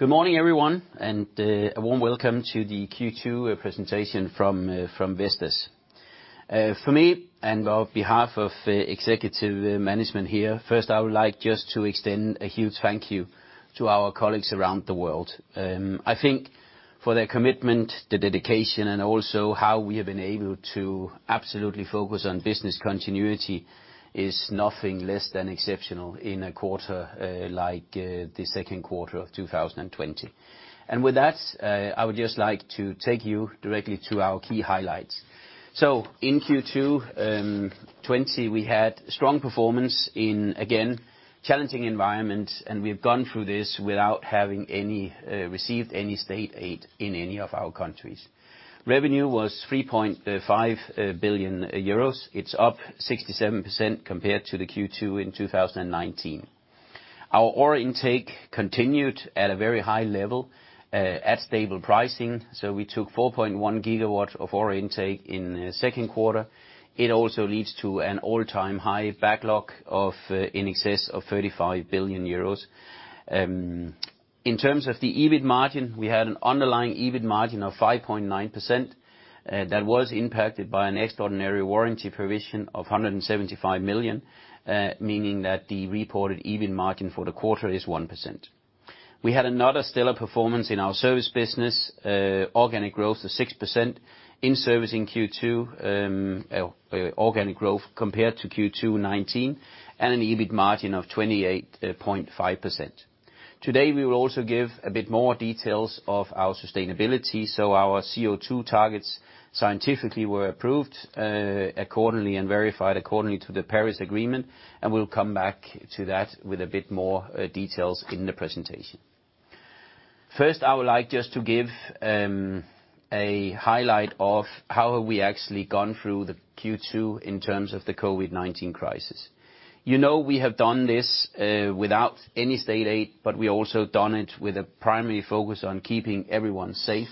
Good morning, everyone, a warm welcome to the Q2 presentation from Vestas. For me and on behalf of executive management here, first, I would like just to extend a huge thank you to our colleagues around the world. I think for their commitment, the dedication, and also how we have been able to absolutely focus on business continuity is nothing less than exceptional in a quarter like the second quarter of 2020. With that, I would just like to take you directly to our key highlights. In Q2 2020, we had strong performance in, again, challenging environments, and we have gone through this without having received any state aid in any of our countries. Revenue was 3.5 billion euros. It's up 67% compared to the Q2 in 2019. Our order intake continued at a very high level at stable pricing, so we took 4.1 GW of order intake in the second quarter. It also leads to an all-time high backlog of in excess of 35 billion euros. In terms of the EBIT margin, we had an underlying EBIT margin of 5.9%. That was impacted by an extraordinary warranty provision of 175 million, meaning that the reported EBIT margin for the quarter is 1%. We had another stellar performance in our service business. Organic growth of 6% in servicing Q2, organic growth compared to Q2 2019, and an EBIT margin of 28.5%. Today, we will also give a bit more details of our sustainability. Our CO2 targets scientifically were approved accordingly and verified accordingly to the Paris Agreement, and we'll come back to that with a bit more details in the presentation. First, I would like just to give a highlight of how have we actually gone through the Q2 in terms of the COVID-19 crisis. You know we have done this without any state aid, but we also done it with a primary focus on keeping everyone safe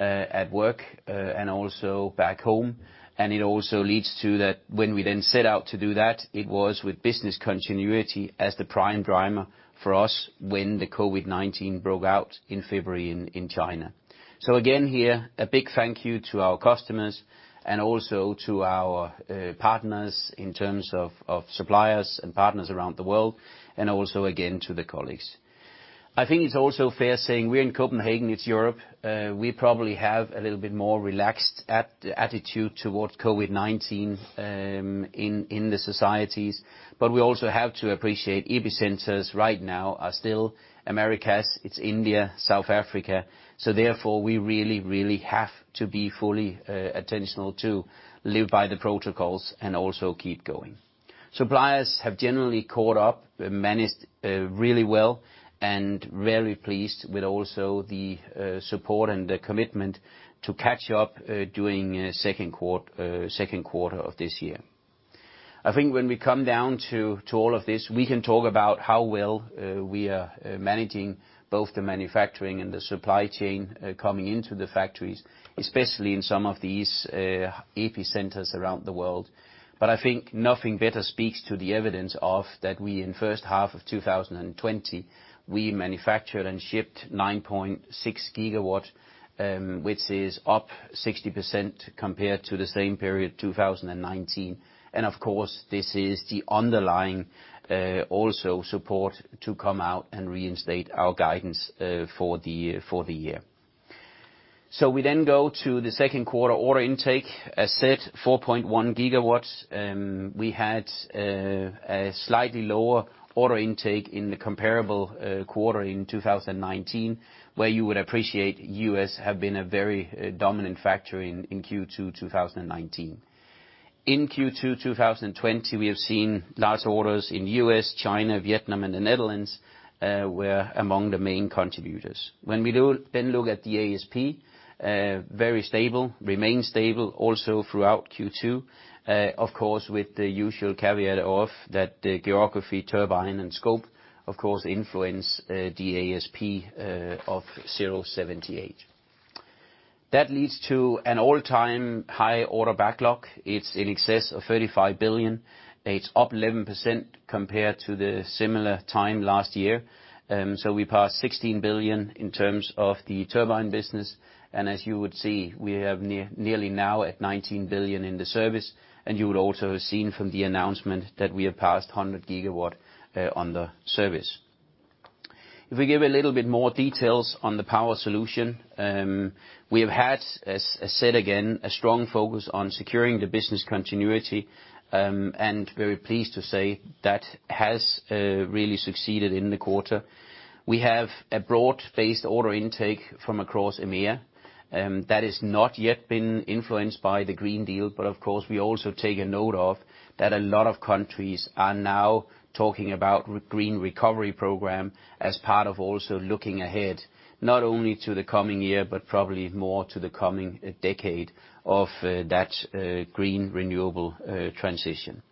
at work and also back home. It also leads to that when we then set out to do that, it was with business continuity as the prime driver for us when the COVID-19 broke out in February in China. Again here, a big thank you to our customers and also to our partners in terms of suppliers and partners around the world, and also, again, to the colleagues. I think it's also fair saying we're in Copenhagen, it's Europe. We probably have a little bit more relaxed attitude towards COVID-19 in the societies, but we also have to appreciate epicenters right now are still Americas, it's India, South Africa. Therefore, we really, really have to be fully attentional to live by the protocols and also keep going. Suppliers have generally caught up, managed really well, and very pleased with also the support and the commitment to catch up during second quarter of this year. I think when we come down to all of this, we can talk about how well we are managing both the manufacturing and the supply chain coming into the factories, especially in some of these epicenters around the world. I think nothing better speaks to the evidence of that we, in first half of 2020, we manufactured and shipped 9.6 GW, which is up 60% compared to the same period 2019. Of course, this is the underlying also support to come out and reinstate our guidance for the year. We go to the second quarter order intake. As said, 4.1 GW. We had a slightly lower order intake in the comparable quarter in 2019, where you would appreciate U.S. have been a very dominant factor in Q2 2019. In Q2 2020, we have seen large orders in U.S., China, Vietnam, and the Netherlands were among the main contributors. When we look at the ASP, very stable, remained stable also throughout Q2. Of course, with the usual caveat of that the geography turbine and scope, of course, influence the ASP of 0.78. That leads to an all-time high order backlog. It's in excess of 35 billion. It's up 11% compared to the similar time last year. We passed 16 billion in terms of the turbine business, and as you would see, we have nearly now at 19 billion in the service, and you would also have seen from the announcement that we have passed 100 GW on the service. If we give a little bit more details on the Power Solutions, we have had, as I said again, a strong focus on securing the business continuity, and very pleased to say that has really succeeded in the quarter. We have a broad-based order intake from across EMEA. That has not yet been influenced by the Green Deal, but of course, we also take a note of that a lot of countries are now talking about green recovery program as part of also looking ahead, not only to the coming year, but probably more to the coming decade of that green renewable transition.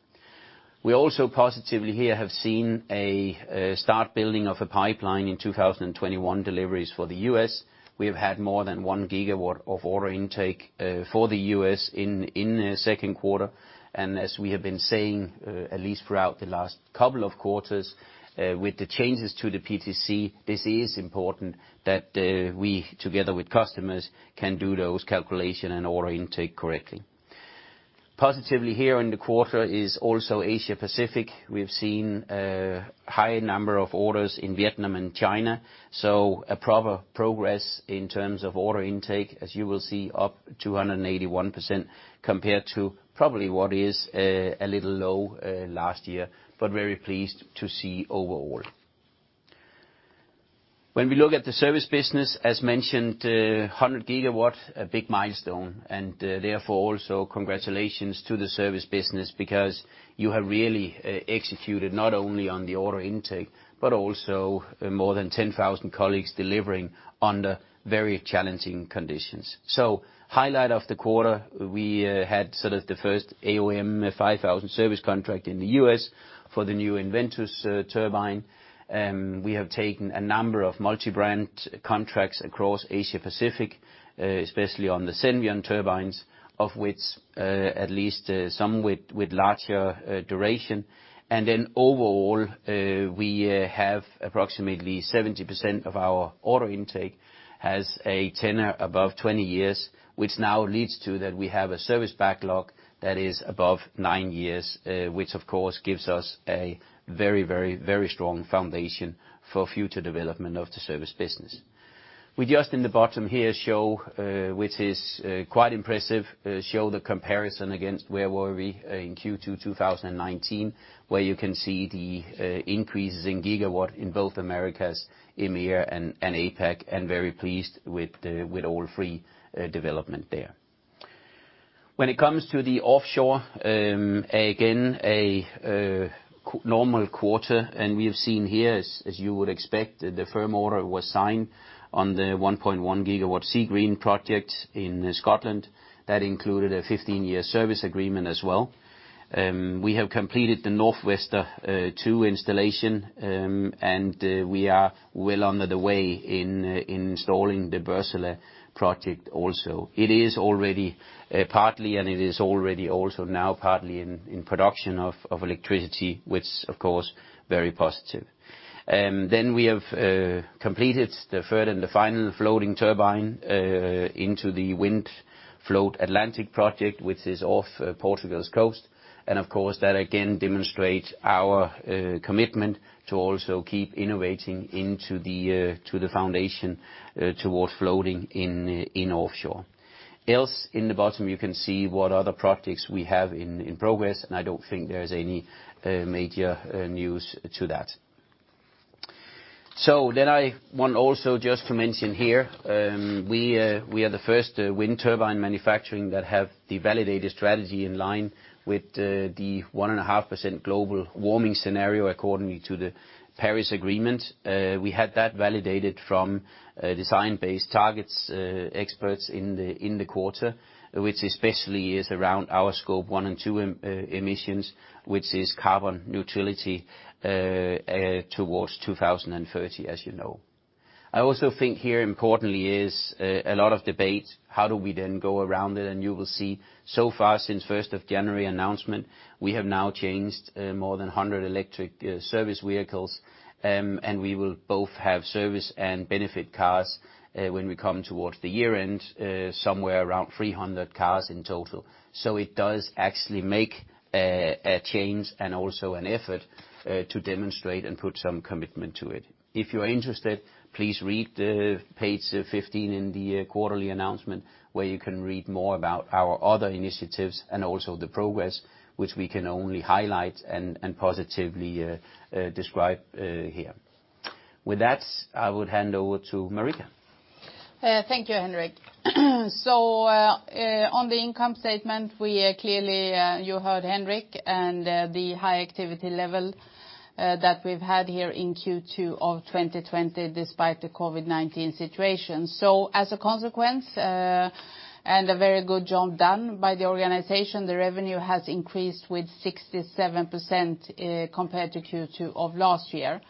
We also positively here have seen a start building of a pipeline in 2021 deliveries for the U.S. We have had more than 1 GW of order intake for the U.S. in the second quarter. As we have been saying, at least throughout the last couple of quarters, with the changes to the PTC, this is important that we, together with customers, can do those calculation and order intake correctly. Positively here in the quarter is also Asia Pacific. A progress in terms of order intake, as you will see, up 281% compared to probably what is a little low last year, but very pleased to see overall. When we look at the service business, as mentioned, 100 GW, a big milestone, and therefore also congratulations to the service business because you have really executed not only on the order intake, but also more than 10,000 colleagues delivering under very challenging conditions. Highlight of the quarter, we had sort of the first AOM 5000 service contract in the U.S. for the new EnVentus turbine. We have taken a number of multi-brand contracts across Asia Pacific, especially on the Senvion turbines, of which at least some with larger duration. Overall, we have approximately 70% of our order intake has a tenure above 20 years, which now leads to that we have a service backlog that is above nine years, which of course gives us a very strong foundation for future development of the service business. We just in the bottom here show, which is quite impressive, show the comparison against where were we in Q2 2019, where you can see the increases in gigawatt in both Americas, EMEA, and APAC, and very pleased with overall development there. When it comes to the offshore, again, a normal quarter, and we have seen here, as you would expect, the firm order was signed on the 1.1 GW Seagreen project in Scotland. That included a 15-year service agreement as well. We have completed the Northwester 2 installation. We are well under way in installing the Borssele project also. It is already also now partly in production of electricity, which is of course very positive. We have completed the third and the final floating turbine into the WindFloat Atlantic project, which is off Portugal's coast. Of course, that again demonstrates our commitment to also keep innovating into the foundation towards floating offshore. Else in the bottom, you can see what other projects we have in progress. I don't think there is any major news to that. I want also just to mention here, we are the first wind turbine manufacturer that have the validated strategy in line with the 1.5% global warming scenario according to the Paris Agreement. We had that validated from Science Based Targets experts in the quarter, which especially is around our Scope 1 and 2 emissions, which is carbon neutrality towards 2030, as you know. I also think here importantly is a lot of debate, how do we then go around it? You will see so far since 1st of January announcement, we have now changed more than 100 electric service vehicles, and we will both have service and benefit cars when we come towards the year-end, somewhere around 300 cars in total. It does actually make a change and also an effort to demonstrate and put some commitment to it. If you are interested, please read page 15 in the quarterly announcement, where you can read more about our other initiatives and also the progress, which we can only highlight and positively describe here. With that, I would hand over to Marika. Thank you, Henrik. On the income statement, clearly you heard Henrik and the high activity level that we've had here in Q2 of 2020 despite the COVID-19 situation. As a consequence, and a very good job done by the organization, the revenue has increased with 67% compared to Q2 of last year.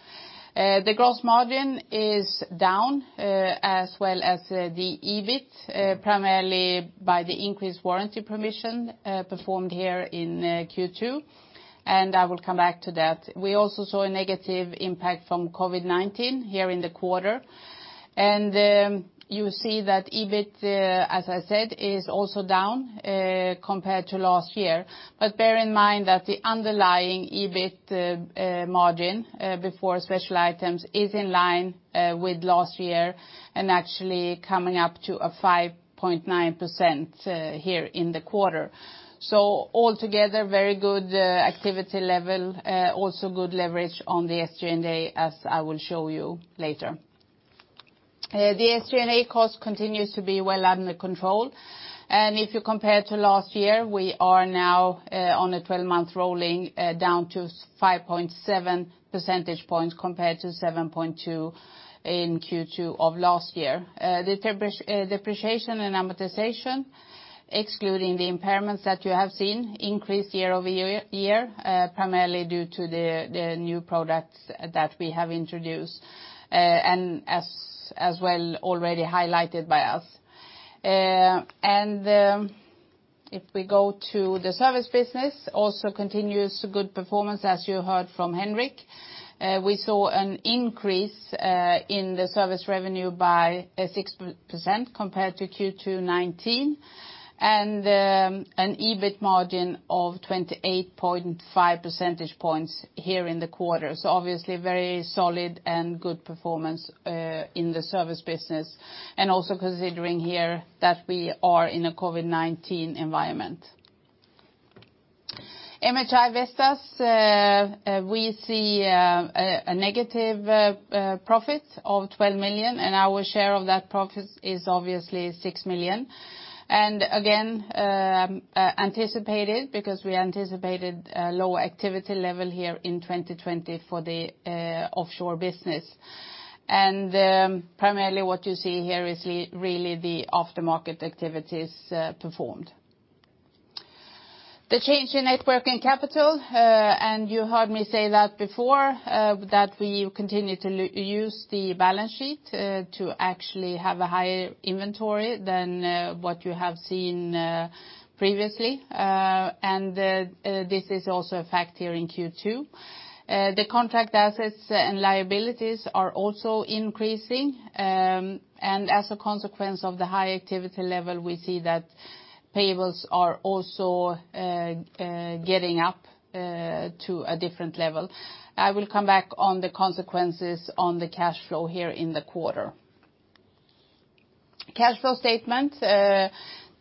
The gross margin is down, as well as the EBIT, primarily by the increased warranty provision performed here in Q2. I will come back to that. We also saw a negative impact from COVID-19 here in the quarter. You see that EBIT, as I said, is also down compared to last year. Bear in mind that the underlying EBIT margin before special items is in line with last year and actually coming up to a 5.9% here in the quarter. Altogether, very good activity level, also good leverage on the SG&A, as I will show you later. The SG&A cost continues to be well under control. If you compare to last year, we are now on a 12-month rolling, down to 5.7 percentage points compared to 7.2 percentage points in Q2 of last year. The depreciation and amortization, excluding the impairments that you have seen, increased year-over-year, primarily due to the new products that we have introduced, and as well, already highlighted by us. If we go to the service business, also continues good performance, as you heard from Henrik. We saw an increase in the service revenue by 6% compared to Q2 2019, and an EBIT margin of 28.5 percentage points here in the quarter. Obviously very solid and good performance in the service business, and also considering here that we are in a COVID-19 environment. MHI Vestas, we see a negative profit of 12 million. Our share of that profit is obviously 6 million. Again, anticipated, because we anticipated a low activity level here in 2020 for the offshore business. Primarily what you see here is really the aftermarket activities performed. The change in net working capital, you heard me say that before, that we continue to use the balance sheet to actually have a higher inventory than what you have seen previously. This is also a factor here in Q2. The contract assets and liabilities are also increasing. As a consequence of the high activity level, we see that payables are also getting up to a different level. I will come back on the consequences on the cash flow here in the quarter. Cash flow statement.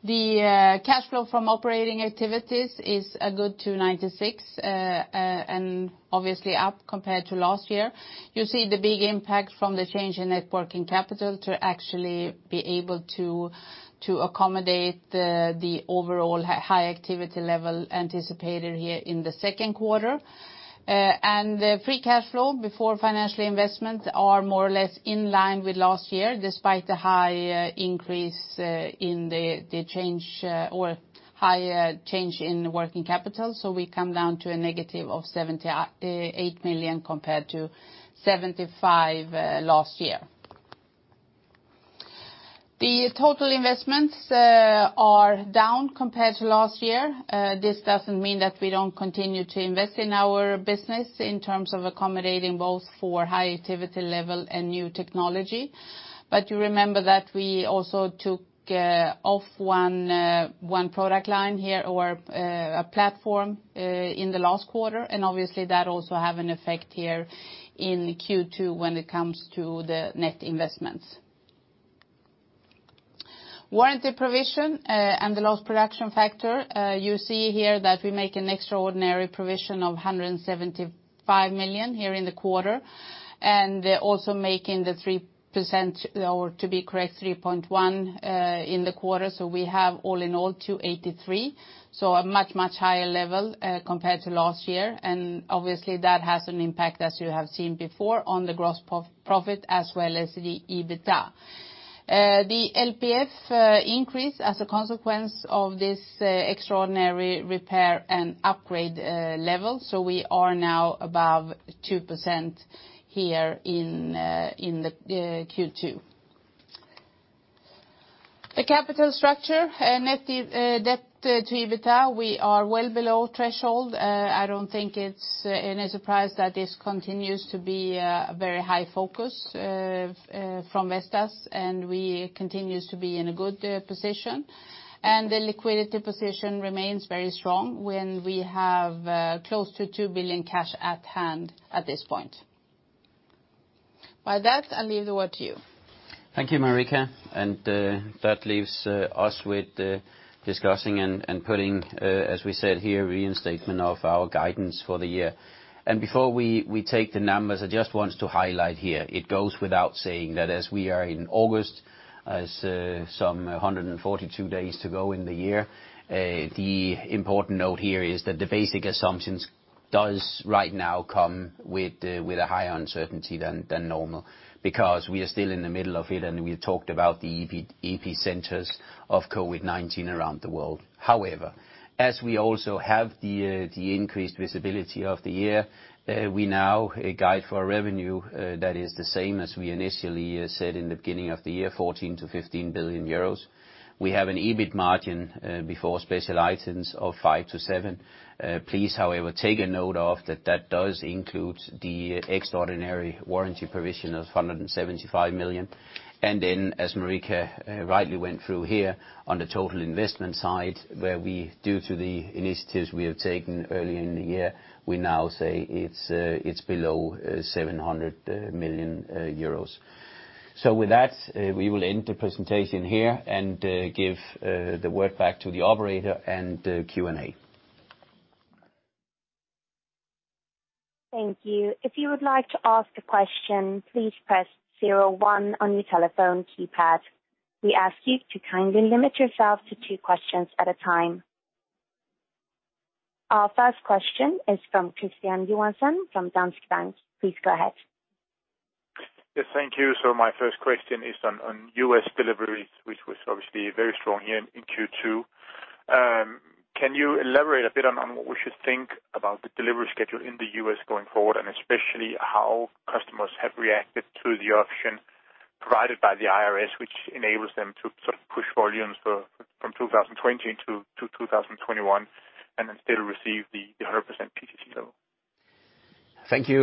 The cash flow from operating activities is a good 296 million. Obviously up compared to last year. You see the big impact from the change in net working capital to actually be able to accommodate the overall high activity level anticipated here in the second quarter. The free cash flow before financial investments are more or less in line with last year, despite the high change in working capital. We come down to a negative of 78 million compared to 75 million last year. The total investments are down compared to last year. This doesn't mean that we don't continue to invest in our business in terms of accommodating both for high activity level and new technology. You remember that we also took off one product line here, or a platform, in the last quarter, and obviously that also have an effect here in Q2 when it comes to the net investments. Warranty provision and the low production factor. You see here that we make an extraordinary provision of 175 million here in the quarter, and also making the 3%, or to be correct, 3.1% in the quarter. We have all in all 283 million, so a much, much higher level compared to last year. Obviously that has an impact, as you have seen before, on the gross profit as well as the EBITDA. The LPF increased as a consequence of this extraordinary repair and upgrade level, so we are now above 2% here in the Q2. The capital structure, net debt to EBITDA, we are well below threshold. I don't think it's any surprise that this continues to be a very high focus from Vestas, and we continues to be in a good position. The liquidity position remains very strong when we have close to 2 billion cash at hand at this point. By that, I leave the word to you. Thank you, Marika. That leaves us with discussing and putting, as we said here, reinstatement of our guidance for the year. Before we take the numbers, I just want to highlight here, it goes without saying that as we are in August, as some 142 days to go in the year, the important note here is that the basic assumptions does right now come with a higher uncertainty than normal, because we are still in the middle of it, and we talked about the epicenters of COVID-19 around the world. However, as we also have the increased visibility of the year, we now guide for a revenue that is the same as we initially said in the beginning of the year, 14 billion-15 billion euros. We have an EBIT margin before special items of 5%-7%. Please, however, take a note of that that does include the extraordinary warranty provision of 175 million. As Marika rightly went through here, on the total investment side, where we, due to the initiatives we have taken early in the year, we now say it's below 700 million euros. With that, we will end the presentation here and give the word back to the operator and Q&A. Thank you. If you would like to ask a question, please press zero one on your telephone keypad. We ask you to kindly limit yourself to two questions at a time. Our first question is from Kristian Johansen, from Danske Bank. Please go ahead. Yes, thank you. My first question is on U.S. deliveries, which was obviously very strong here in Q2. Can you elaborate a bit on what we should think about the delivery schedule in the U.S. going forward, especially how customers have reacted to the option provided by the IRS, which enables them to sort of push volumes from 2020 into 2021, and then still receive the 100% PTC level? Thank you,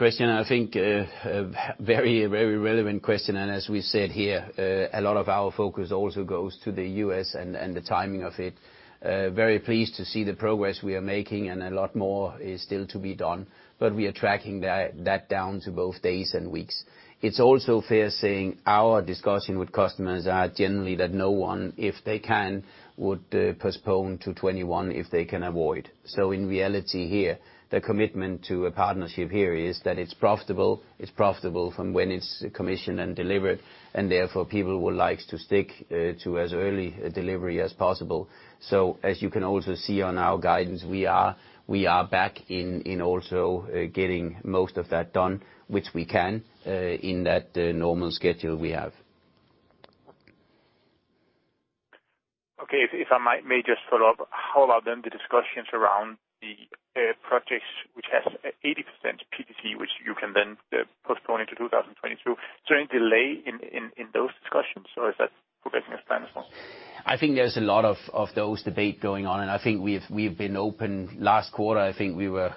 Kristian. I think a very relevant question. As we said here, a lot of our focus also goes to the U.S. and the timing of it. Very pleased to see the progress we are making, a lot more is still to be done. We are tracking that down to both days and weeks. It's also fair saying our discussion with customers are generally that no one, if they can, would postpone to 2021 if they can avoid. In reality here, the commitment to a partnership here is that it's profitable. It's profitable from when it's commissioned and delivered, therefore people would like to stick to as early delivery as possible. As you can also see on our guidance, we are back in also getting most of that done, which we can, in that normal schedule we have. Okay. If I may just follow up, how about the discussions around the projects which has 80% PTC, which you can then postpone into 2022? Is there any delay in those discussions, or is that progressing as planned as well? I think there's a lot of those debate going on. I think we've been open. Last quarter, I think we were.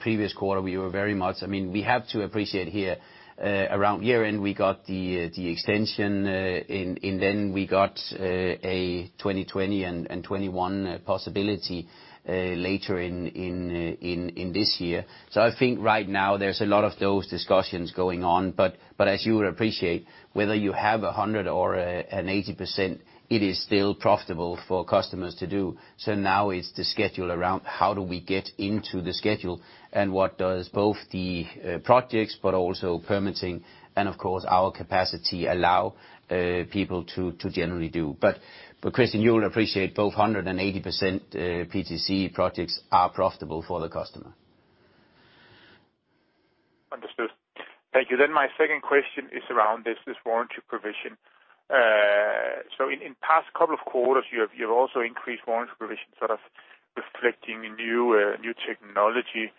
Previous quarter, we were. We have to appreciate here, around year-end, we got the extension. Then we got a 2020 and 2021 possibility later in this year. I think right now there's a lot of those discussions going on. As you would appreciate, whether you have 100% or an 80%, it is still profitable for customers to do. Now it's the schedule around how do we get into the schedule. What does both the projects but also permitting and, of course, our capacity allow people to generally do. Kristian, you'll appreciate both 100% and 80% PTC projects are profitable for the customer. Understood. Thank you. My second question is around this warranty provision. In past couple of quarters, you've also increased warranty provision, sort of reflecting new technology.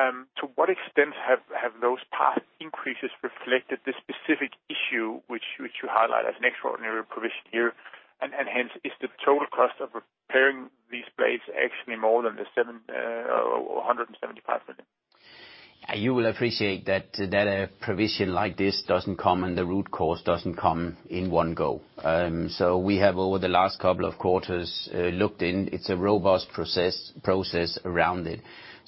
To what extent have those past increases reflected the specific issue which you highlight as an extraordinary provision here? Hence, is the total cost of repairing these blades actually more than the 175 million? You will appreciate that a provision like this doesn't come, and the root cause doesn't come in one go. We have, over the last couple of quarters, looked in. It's a robust process around it.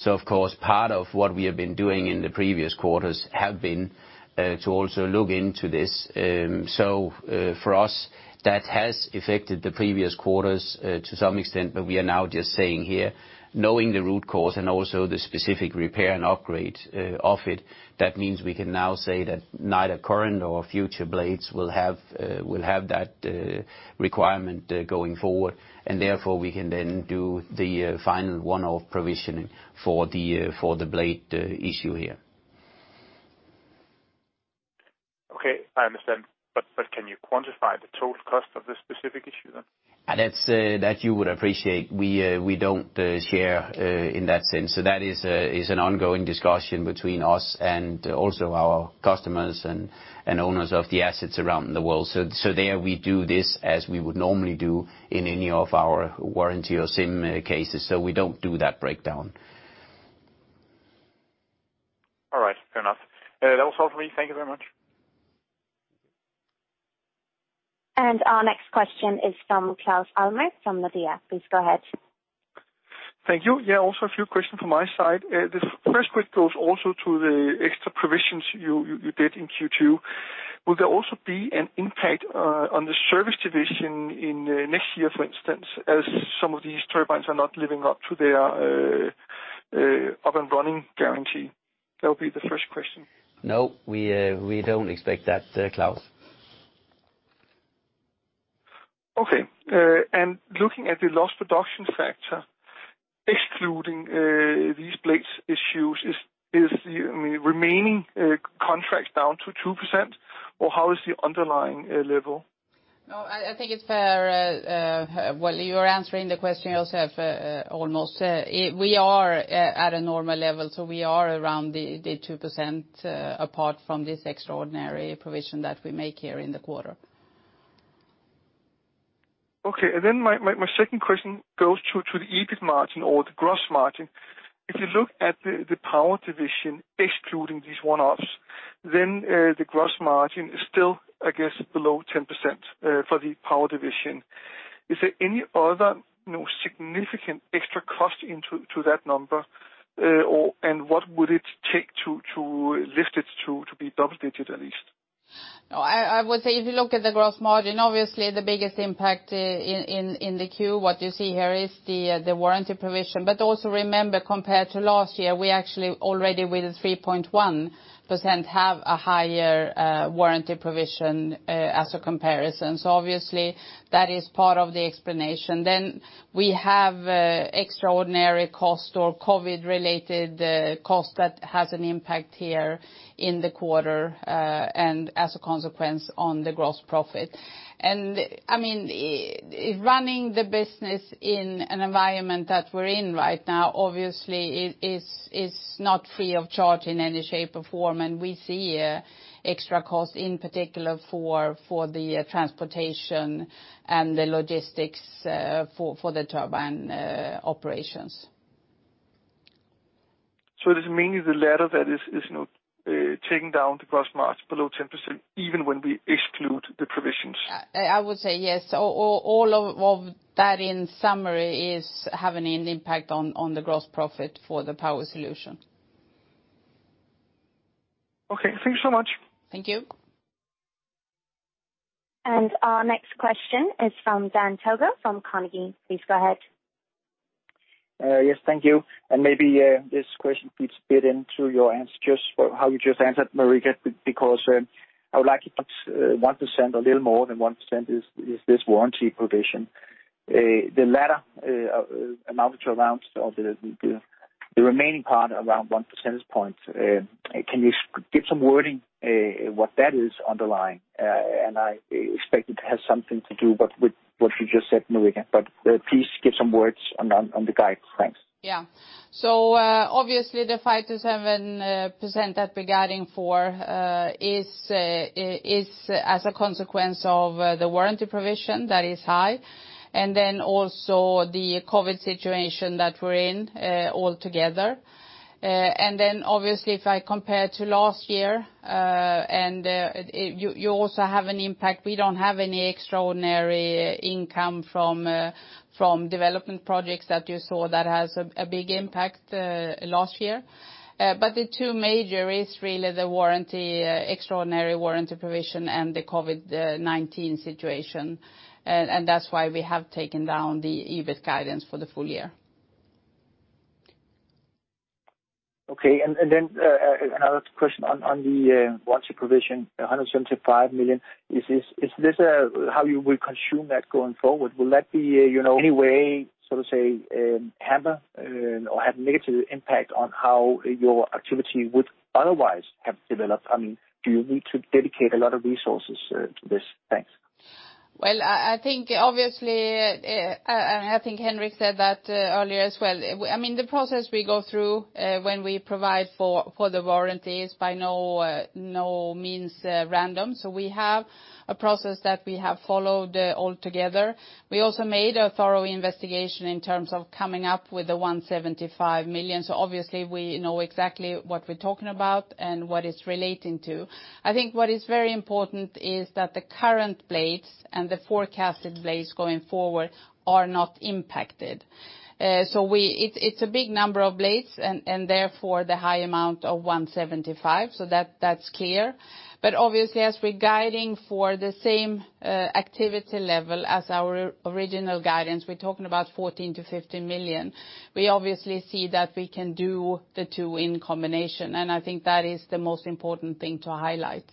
Of course, part of what we have been doing in the previous quarters have been to also look into this. For us, that has affected the previous quarters to some extent, but we are now just saying here, knowing the root cause and also the specific repair and upgrade of it, that means we can now say that neither current or future blades will have that requirement going forward. Therefore, we can then do the final one-off provisioning for the blade issue here. Okay, I understand. Can you quantify the total cost of this specific issue then? That you would appreciate, we don't share in that sense. That is an ongoing discussion between us and also our customers and owners of the assets around the world. There, we do this as we would normally do in any of our warranty or CIM cases. We don't do that breakdown. All right. Fair enough. That was all for me. Thank you very much. Our next question is from Claus Almer from Nordea. Please go ahead. Thank you. Yeah, also a few questions from my side. The first question goes also to the extra provisions you did in Q2. Will there also be an impact on the service division in next year, for instance, as some of these turbines are not living up to their up-and-running guarantee? That would be the first question. No, we don't expect that, Claus. Okay. Looking at the lost production factor, excluding these blades issues, is the remaining contracts down to 2%? How is the underlying level? I think it's fair, while you are answering the question yourself almost, we are at a normal level, we are around the 2% apart from this extraordinary provision that we make here in the quarter. Okay. My second question goes to the EBIT margin or the gross margin. If you look at the power division, excluding these one-offs, then the gross margin is still, I guess, below 10% for the power division. Is there any other significant extra cost into that number, and what would it take to lift it to be double-digit, at least? I would say if you look at the gross margin, obviously the biggest impact in the Q, what you see here is the warranty provision. Also remember, compared to last year, we actually already with 3.1% have a higher warranty provision as a comparison. Obviously that is part of the explanation. We have extraordinary cost or COVID related cost that has an impact here in the quarter, and as a consequence on the gross profit. Running the business in an environment that we're in right now, obviously is not free of charge in any shape or form. We see extra costs in particular for the transportation and the logistics, for the turbine operations. It is mainly the latter that is taking down the gross margin below 10%, even when we exclude the provisions? I would say yes, all of that in summary is having an impact on the gross profit for the Power Solutions. Okay. Thank you so much. Thank you. Our next question is from Dan Togo from Carnegie. Please go ahead. Yes, thank you. Maybe this question fits bit into your answers for how you just answered, Marika, because I would like 1% a little more than 1% is this warranty provision. The latter amount of the remaining part around one percentage point, can you give some wording what that is underlying? I expect it has something to do but with what you just said, Marika. Please give some words on the guide. Thanks. Obviously the 5%-7% that we're guiding for is as a consequence of the warranty provision that is high, also the COVID situation that we're in altogether. Obviously if I compare to last year, and you also have an impact, we don't have any extraordinary income from development projects that you saw that has a big impact last year. The two major is really the extraordinary warranty provision and the COVID-19 situation. That's why we have taken down the EBIT guidance for the full year. Okay. Another question on the warranty provision, 175 million. Is this how you will consume that going forward? Will that be, any way sort of say, hamper or have negative impact on how your activity would otherwise have developed? Do you need to dedicate a lot of resources to this? Thanks. Well, I think Henrik said that earlier as well. The process we go through when we provide for the warranty is by no means random. We have a process that we have followed altogether. We also made a thorough investigation in terms of coming up with the 175 million. Obviously we know exactly what we're talking about and what it's relating to. I think what is very important is that the current blades and the forecasted blades going forward are not impacted. It's a big number of blades and therefore the high amount of 175. That's clear. Obviously as we're guiding for the same activity level as our original guidance, we're talking about 14 billion-15 billion. We obviously see that we can do the two in combination, and I think that is the most important thing to highlight.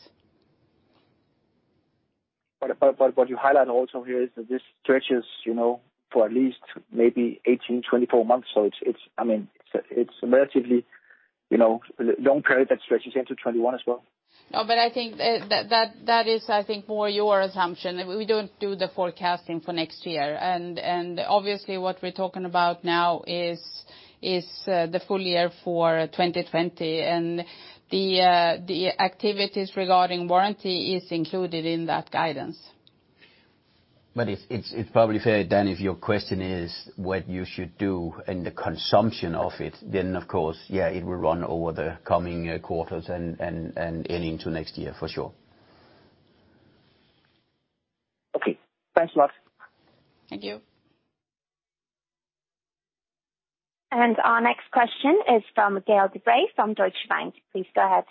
What you highlight also here is that this stretches for at least maybe 18, 24 months. It's relatively long period that stretches into 2021 as well. No, I think that is more your assumption. We don't do the forecasting for next year. Obviously what we're talking about now is the full year for 2020 and the activities regarding warranty is included in that guidance. It's probably fair, Dan, if your question is what you should do and the consumption of it, then of course, yeah, it will run over the coming quarters and into next year for sure. Okay, thanks a lot. Thank you. Our next question is from Gael de-Bray from Deutsche Bank. Please go ahead.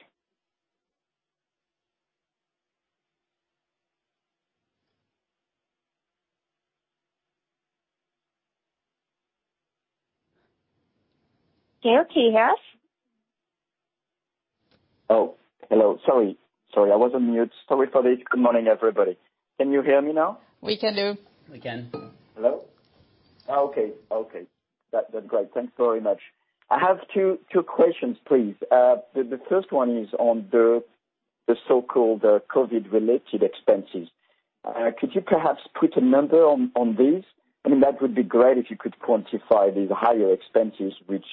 Gael, do you have? Oh, hello. Sorry. I was on mute. Sorry for this. Good morning, everybody. Can you hear me now? We can do. We can. Hello? Okay. That's great. Thanks very much. I have two questions, please. The first one is on the so-called COVID related expenses. Could you perhaps put a number on these? That would be great if you could quantify these higher expenses which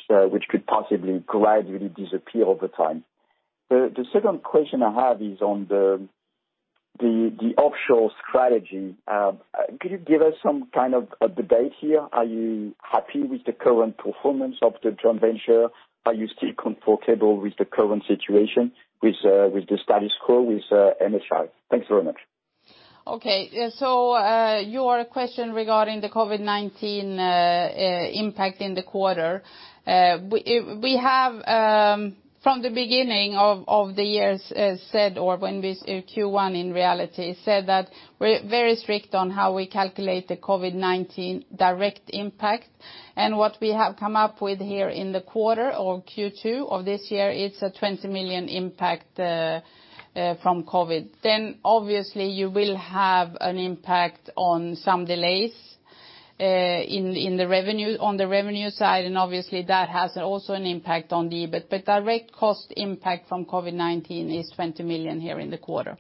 could possibly gradually disappear over time. The second question I have is on the offshore strategy. Could you give us some kind of update here? Are you happy with the current performance of the joint venture? Are you still comfortable with the current situation, with the status quo, with MHI? Thanks very much. Okay. Your question regarding the COVID-19 impact in the quarter. We have, from the beginning of the year said, or when Q1 in reality, said that we're very strict on how we calculate the COVID-19 direct impact. What we have come up with here in the quarter or Q2 of this year, it's a 20 million impact from COVID. Obviously you will have an impact on some delays on the revenue side, and obviously that has also an impact on the EBIT. Direct cost impact from COVID-19 is 20 million here in the quarter.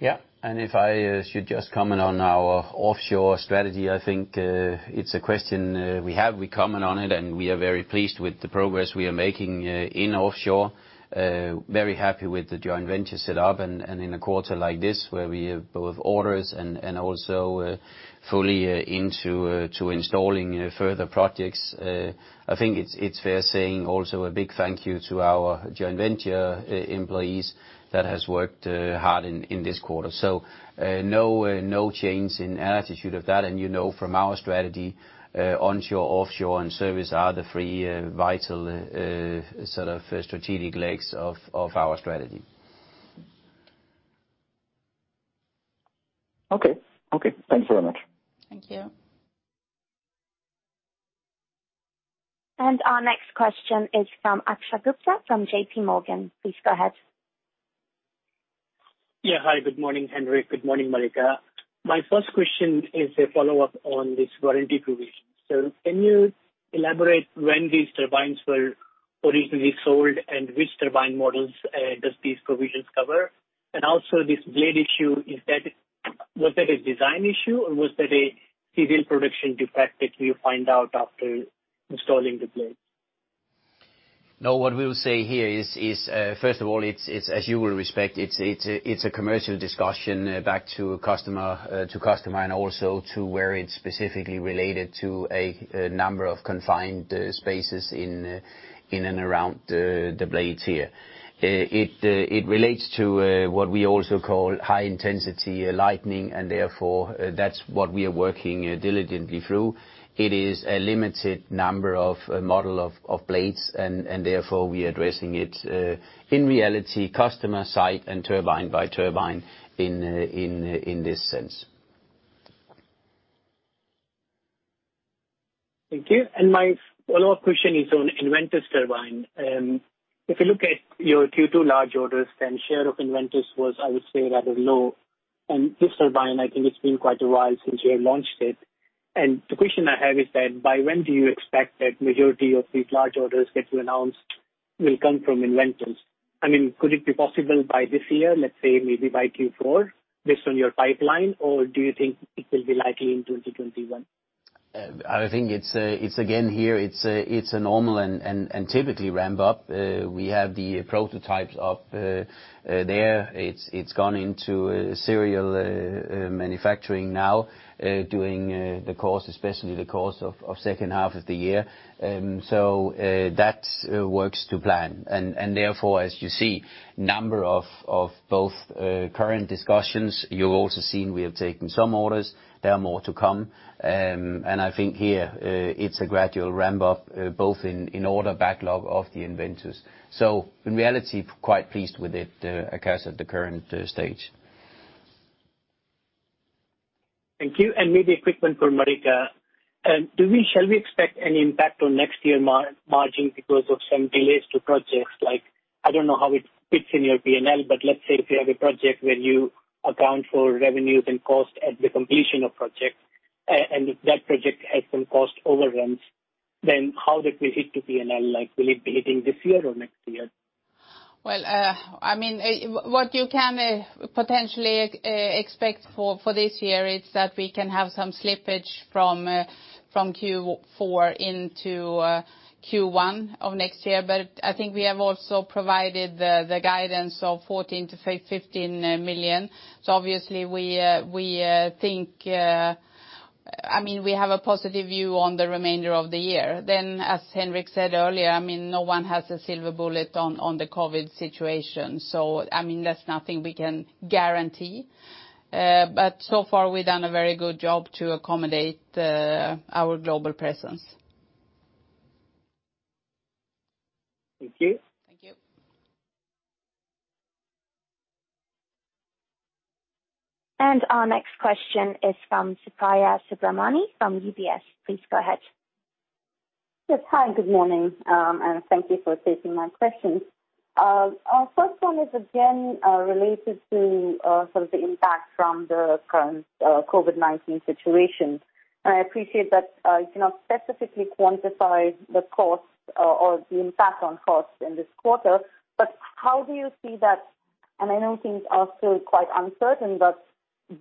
Yeah. If I should just comment on our offshore strategy, I think, it's a question we have, we comment on it, and we are very pleased with the progress we are making in offshore. Very happy with the joint venture set up, and in a quarter like this where we have both orders and also fully into installing further projects. I think it's fair saying also a big thank you to our joint venture employees that has worked hard in this quarter. No change in our attitude of that. You know from our strategy, onshore, offshore, and service are the three vital sort of strategic legs of our strategy. Okay. Thanks very much. Thank you. Our next question is from Akash Gupta from JPMorgan. Please go ahead. Yeah. Hi, good morning, Henrik. Good morning, Marika. My first question is a follow-up on this warranty provision. Can you elaborate when these turbines were originally sold and which turbine models does these provisions cover? This blade issue, was that a design issue, or was that a serial production defect that you find out after installing the blade? What we'll say here is, first of all, it's as you will respect, it's a commercial discussion back to customer, and also to where it's specifically related to a number of confined spaces in and around the blades here. It relates to what we also call high intensity lightning, and therefore, that's what we are working diligently through. It is a limited number of model of blades, and therefore, we are addressing it, in reality, customer site and turbine by turbine in this sense. Thank you. My follow-up question is on EnVentus turbine. If you look at your Q2 large orders, then share of EnVentus was, I would say, rather low. This turbine, I think it's been quite a while since you have launched it. The question I have is that, by when do you expect that majority of these large orders that you announced will come from EnVentus? Could it be possible by this year, let's say maybe by Q4, based on your pipeline, or do you think it will be likely in 2021? I think it's, again, here, it's a normal and typically ramp-up. We have the prototypes up there. It's gone into serial manufacturing now, during the course, especially the course of second half of the year. That works to plan. Therefore, as you see, number of both current discussions, you've also seen we have taken some orders. There are more to come. I think here, it's a gradual ramp-up, both in order backlog of the EnVentus. In reality, quite pleased with it, Akash, at the current stage. Thank you. Maybe a quick one for Marika. Shall we expect any impact on next year margin because of some delays to projects? I don't know how it fits in your P&L, but let's say if you have a project where you account for revenues and cost at the completion of projects, and if that project has some cost overruns, then how that will hit to P&L? Will it be hitting this year or next year? Well, what you can potentially expect for this year is that we can have some slippage from Q4 into Q1 of next year. I think we have also provided the guidance of 14 billion-15 billion. Obviously, we have a positive view on the remainder of the year. As Henrik said earlier, no one has a silver bullet on the COVID-19 situation, so there's nothing we can guarantee. So far we've done a very good job to accommodate our global presence. Thank you. Thank you. Our next question is from Supriya Subramanian from UBS. Please go ahead. Yes. Hi, good morning. Thank you for taking my questions. First one is again, related to sort of the impact from the current COVID-19 situation. I appreciate that you cannot specifically quantify the cost or the impact on costs in this quarter. How do you see that, and I know things are still quite uncertain, but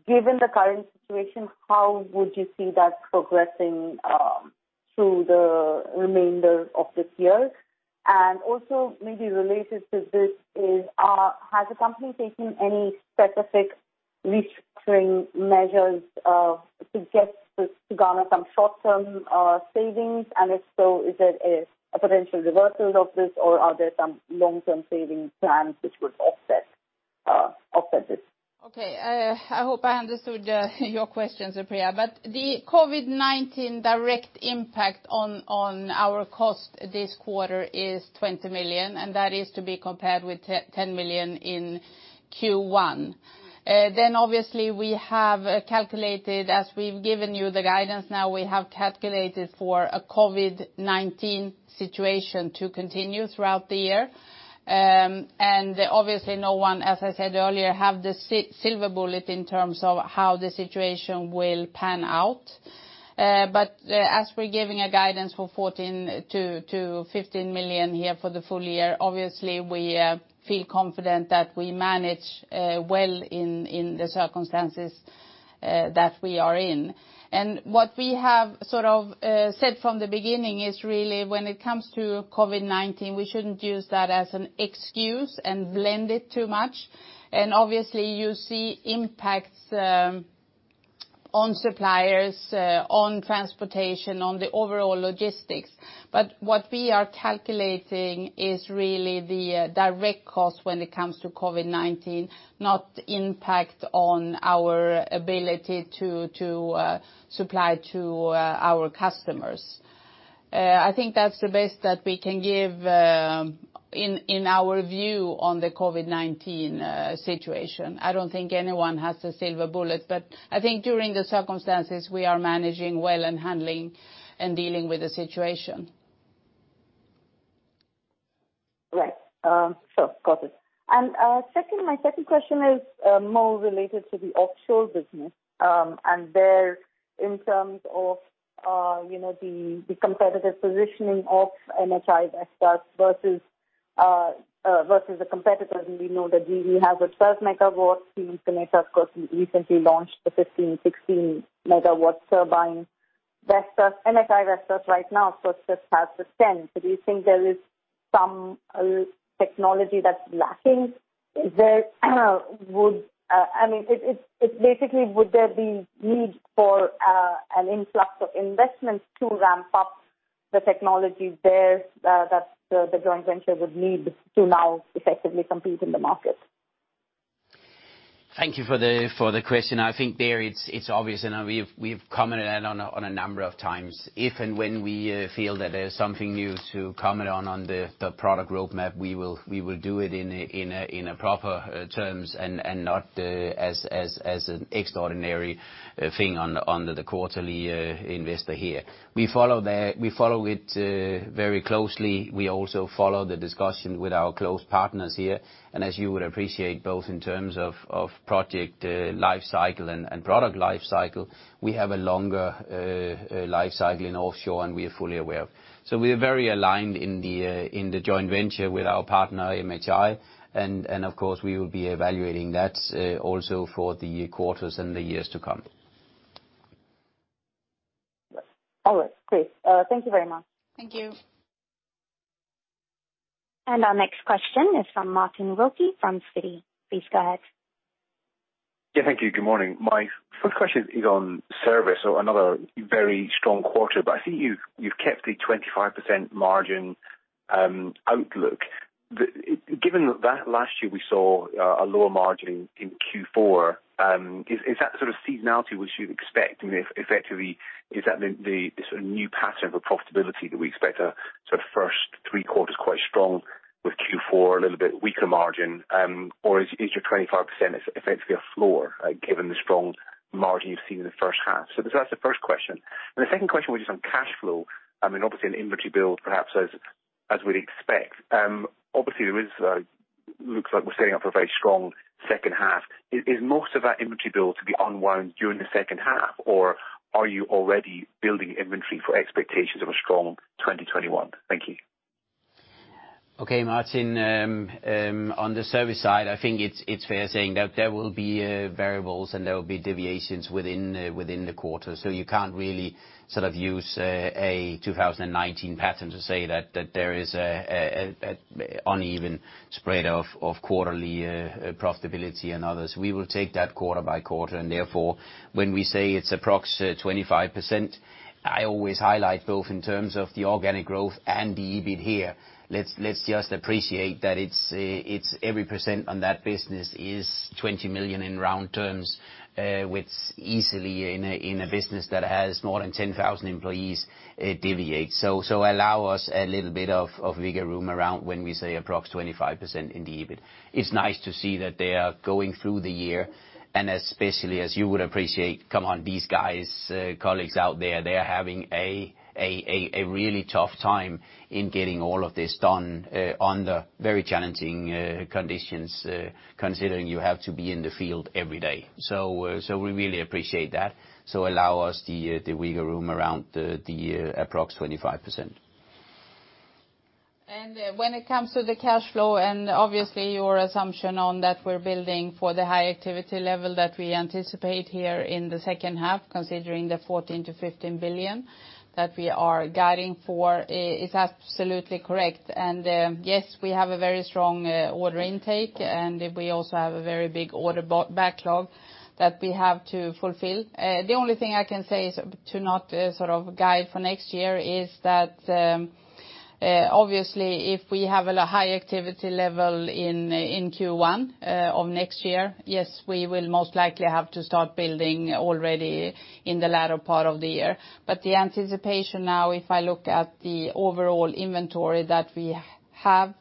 given the current situation, how would you see that progressing through the remainder of this year? Also maybe related to this is, has the company taken any specific restructuring measures to suggest to garner some short-term savings, and if so, is it a potential reversal of this or are there some long-term savings plans which would offset this? Okay. I hope I understood your question, Supriya. The COVID-19 direct impact on our cost this quarter is 20 million, and that is to be compared with 10 million in Q1. Obviously we have calculated, as we've given you the guidance now, we have calculated for a COVID-19 situation to continue throughout the year. Obviously no one, as I said earlier, have the silver bullet in terms of how the situation will pan out. As we're giving a guidance for 14 billion-15 billion here for the full year, obviously we feel confident that we manage well in the circumstances that we are in. What we have sort of said from the beginning is really when it comes to COVID-19, we shouldn't use that as an excuse and blend it too much. Obviously you see impacts on suppliers, on transportation, on the overall logistics. What we are calculating is really the direct cost when it comes to COVID-19, not impact on our ability to supply to our customers. I think that's the best that we can give in our view on the COVID-19 situation. I don't think anyone has a silver bullet. I think during the circumstances we are managing well and handling and dealing with the situation. Right. Got it. My second question is more related to the offshore business, and there in terms of the competitive positioning of MHI Vestas versus the competitors. We know that GE has a 12 MW, Siemens has of course, recently launched the 15 MW, 16 MW turbine. MHI Vestas right now just has the 10. Do you think there is some technology that's lacking? Basically, would there be need for an influx of investments to ramp up the technologies there that the joint venture would need to now effectively compete in the market? Thank you for the question. I think there it's obvious, and we've commented that on a number of times. If and when we feel that there's something new to comment on the product roadmap, we will do it in a proper terms and not as an extraordinary thing under the quarterly investor here. We follow it very closely. We also follow the discussion with our close partners here, and as you would appreciate, both in terms of project life cycle and product life cycle, we have a longer life cycle in offshore and we are fully aware. We are very aligned in the joint venture with our partner, MHI, and of course we will be evaluating that also for the quarters and the years to come. All right, great. Thank you very much. Thank you. Our next question is from Martin Wilkie from Citi. Please go ahead. Yeah, thank you. Good morning. My first question is on service. Another very strong quarter, but I see you've kept the 25% margin outlook. Given that last year we saw a lower margin in Q4, is that sort of seasonality what you'd expect? Effectively, is that the sort of new pattern for profitability that we expect a sort of first three quarters quite strong with Q4 a little bit weaker margin? Or is your 25% effectively a floor given the strong margin you've seen in the first half? That's the first question. The second question was just on cash flow. I mean, obviously an inventory build perhaps as we'd expect. Obviously looks like we're setting up a very strong second half. Is most of that inventory build to be unwound during the second half, or are you already building inventory for expectations of a strong 2021? Thank you. Okay, Martin. On the service side, I think it's fair saying that there will be variables and there will be deviations within the quarter. You can't really sort of use a 2019 pattern to say that there is an uneven spread of quarterly profitability and others. We will take that quarter-by-quarter, and therefore when we say it's approx. 25%, I always highlight both in terms of the organic growth and the EBIT here. Let's just appreciate that every percent on that business is 20 million in round terms, which easily in a business that has more than 10,000 employees, deviates. Allow us a little bit of wiggle room around when we say approx 25% in the EBIT. It's nice to see that they are going through the year, especially as you would appreciate, come on, these guys, colleagues out there, they are having a really tough time in getting all of this done under very challenging conditions considering you have to be in the field every day. We really appreciate that. Allow us the wiggle room around the approx 25%. When it comes to the cash flow, and obviously your assumption on that, we're building for the high activity level that we anticipate here in the second half, considering the 14 billion-15 billion that we are guiding for is absolutely correct. Yes, we have a very strong order intake, and we also have a very big order backlog that we have to fulfill. The only thing I can say is to not sort of guide for next year is that, obviously, if we have a high activity level in Q1 of next year, yes, we will most likely have to start building already in the latter part of the year. The anticipation now, if I look at the overall inventory that we have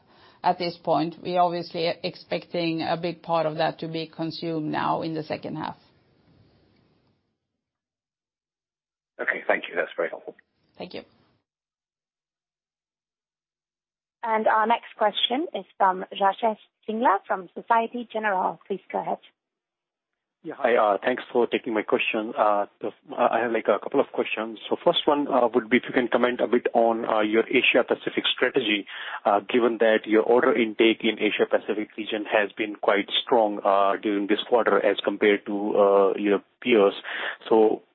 at this point, we obviously are expecting a big part of that to be consumed now in the second half. Okay, thank you. That's very helpful. Thank you. Our next question is from Rajesh Singla, from Societe Generale. Please go ahead. Yeah. Hi. Thanks for taking my question. I have a couple of questions. First one would be if you can comment a bit on your Asia Pacific strategy, given that your order intake in Asia Pacific region has been quite strong during this quarter as compared to your peers.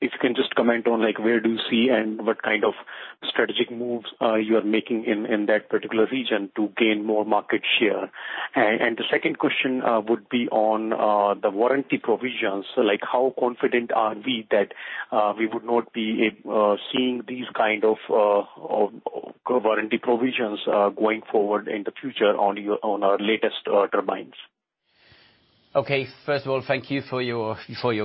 If you can just comment on where do you see and what kind of strategic moves you are making in that particular region to gain more market share. The second question would be on the warranty provisions. How confident are we that we would not be seeing these kind of warranty provisions going forward in the future on our latest turbines? Okay. First of all, thank you for your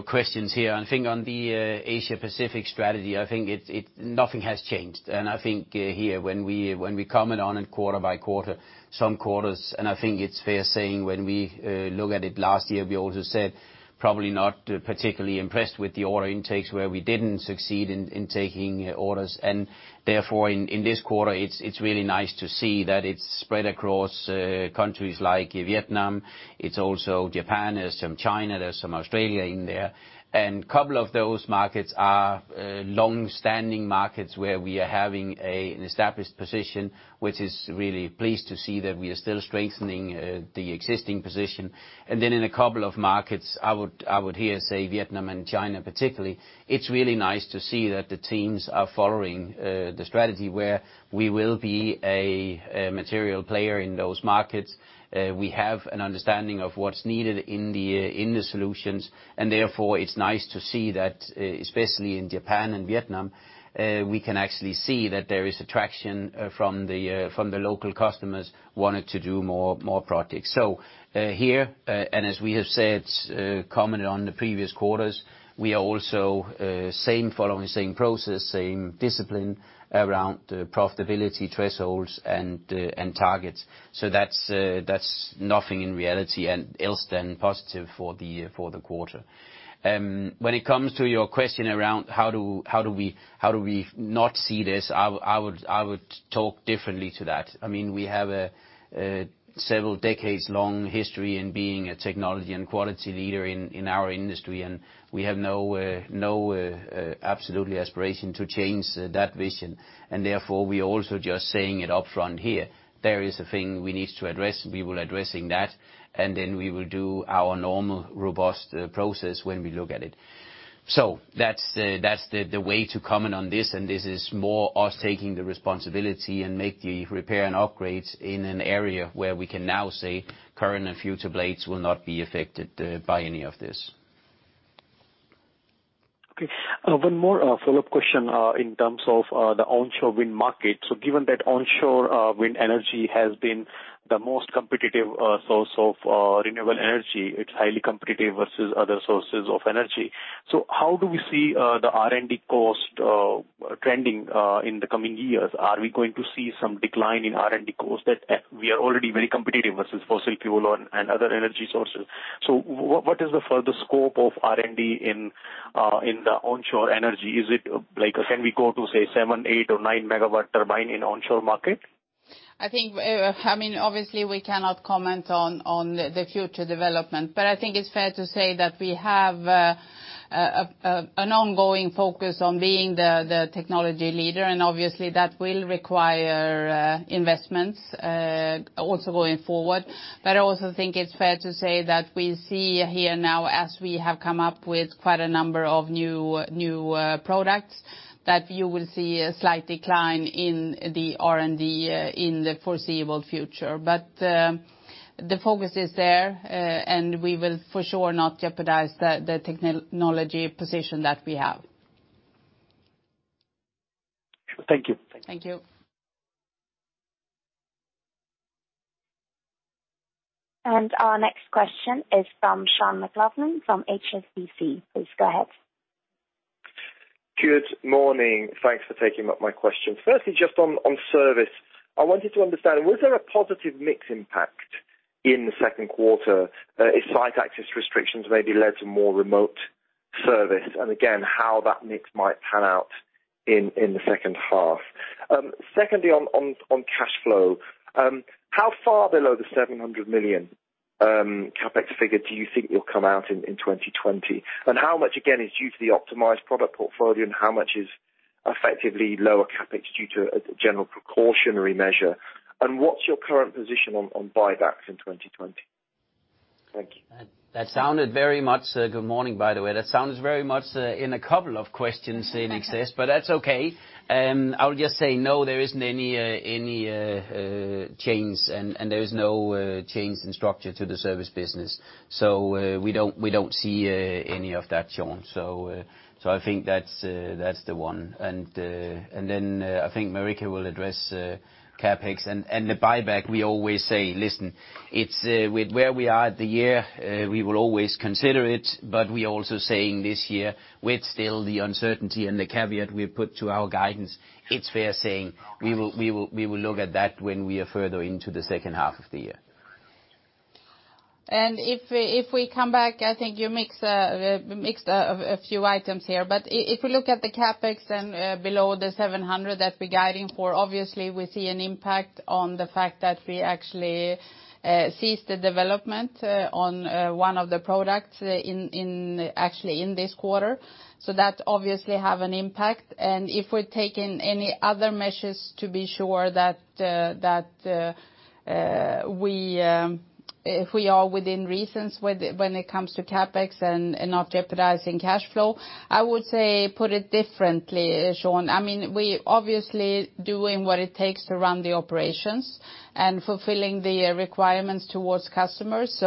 questions here. I think on the Asia Pacific strategy, I think nothing has changed. I think here, when we comment on it quarter by quarter, some quarters, I think it's fair saying when we look at it last year, we also said, probably not particularly impressed with the order intakes where we didn't succeed in taking orders. Therefore, in this quarter, it's really nice to see that it's spread across countries like Vietnam. It's also Japan. There's some China. There's some Australia in there. Couple of those markets are longstanding markets where we are having an established position, which is really pleased to see that we are still strengthening the existing position. In a couple of markets, I would here say Vietnam and China particularly, it's really nice to see that the teams are following the strategy where we will be a material player in those markets. We have an understanding of what's needed in the solutions, and therefore, it's nice to see that, especially in Japan and Vietnam, we can actually see that there is attraction from the local customers wanting to do more projects. Here, and as we have said, commented on the previous quarters, we are also following the same process, same discipline around profitability thresholds and targets. That's nothing in reality and else than positive for the quarter. When it comes to your question around how do we not see this? I would talk differently to that. We have a several decades-long history in being a technology and quality leader in our industry, and we have no absolute aspiration to change that vision. Therefore, we are also just saying it upfront here. There is a thing we need to address. We will address that, and then we will do our normal robust process when we look at it. That's the way to comment on this, and this is more us taking the responsibility and make the repair and upgrades in an area where we can now say current and future blades will not be affected by any of this. Okay. One more follow-up question in terms of the onshore wind market. Given that onshore wind energy has been the most competitive source of renewable energy, it's highly competitive versus other sources of energy. How do we see the R&D cost trending in the coming years? Are we going to see some decline in R&D cost that we are already very competitive versus fossil fuel and other energy sources? What is the further scope of R&D in the onshore energy? Can we go to, say, 7 MW, 8 MW, or 9 MW turbine in market? Obviously, we cannot comment on the future development. I think it's fair to say that we have an ongoing focus on being the technology leader, and obviously, that will require investments also going forward. I also think it's fair to say that we see here now, as we have come up with quite a number of new products, that you will see a slight decline in the R&D in the foreseeable future. The focus is there, and we will for sure not jeopardize the technology position that we have. Sure. Thank you. Thank you. Our next question is from Sean McLoughlin from HSBC. Please go ahead. Good morning. Thanks for taking up my question. Firstly, just on service, I wanted to understand, was there a positive mix impact in the second quarter if site access restrictions maybe led to more remote service? How that mix might pan out in the second half. Secondly, on cash flow, how far below the 700 million CapEx figure do you think will come out in 2020? How much, again, is due to the optimized product portfolio, and how much is effectively lower CapEx due to a general precautionary measure? What's your current position on buybacks in 2020? Thank you. Good morning, by the way. That sounds very much in a couple of questions in excess, but that's okay. I would just say, no, there isn't any change, and there is no change in structure to the service business. We don't see any of that, Sean. I think that's the one. Then, I think Marika will address CapEx. The buyback, we always say, listen, with where we are at the year, we will always consider it, but we're also saying this year, with still the uncertainty and the caveat we put to our guidance, it's fair saying, we will look at that when we are further into the second half of the year. If we come back, I think you mixed a few items here. If we look at the CapEx and below the 700 million that we're guiding for, obviously we see an impact on the fact that we actually ceased the development on one of the products, actually in this quarter. That obviously have an impact. If we're taking any other measures to be sure that if we are within reasons when it comes to CapEx and not jeopardizing cash flow, I would say put it differently, Sean. We're obviously doing what it takes to run the operations and fulfilling the requirements towards customers.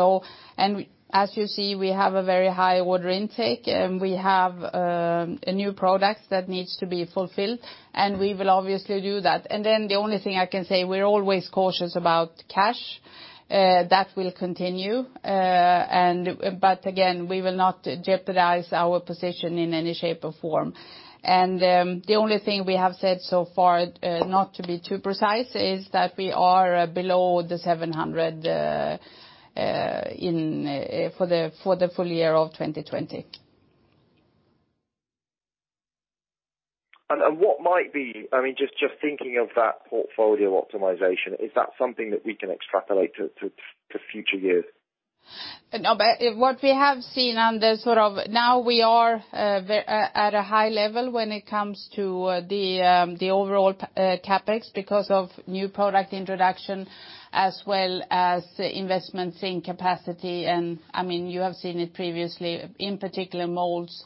As you see, we have a very high order intake, and we have a new product that needs to be fulfilled, and we will obviously do that. The only thing I can say, we're always cautious about cash. That will continue. Again, we will not jeopardize our position in any shape or form. The only thing we have said so far, not to be too precise, is that we are below 700 million for the full year of 2020. What might be, just thinking of that portfolio optimization, is that something that we can extrapolate to future years? What we have seen. Now we are at a high level when it comes to the overall CapEx because of new product introduction as well as investments in capacity. You have seen it previously, in particular molds.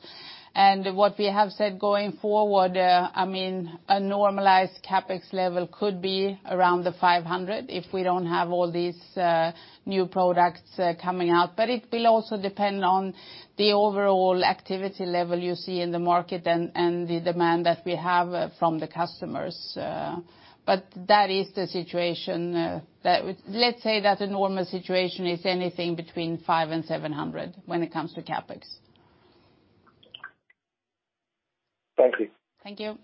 What we have said going forward, a normalized CapEx level could be around 500 million if we don't have all these new products coming out. It will also depend on the overall activity level you see in the market and the demand that we have from the customers. That is the situation. Let's say that a normal situation is anything between 500 million and 700 million when it comes to CapEx. Thank you. Thank you.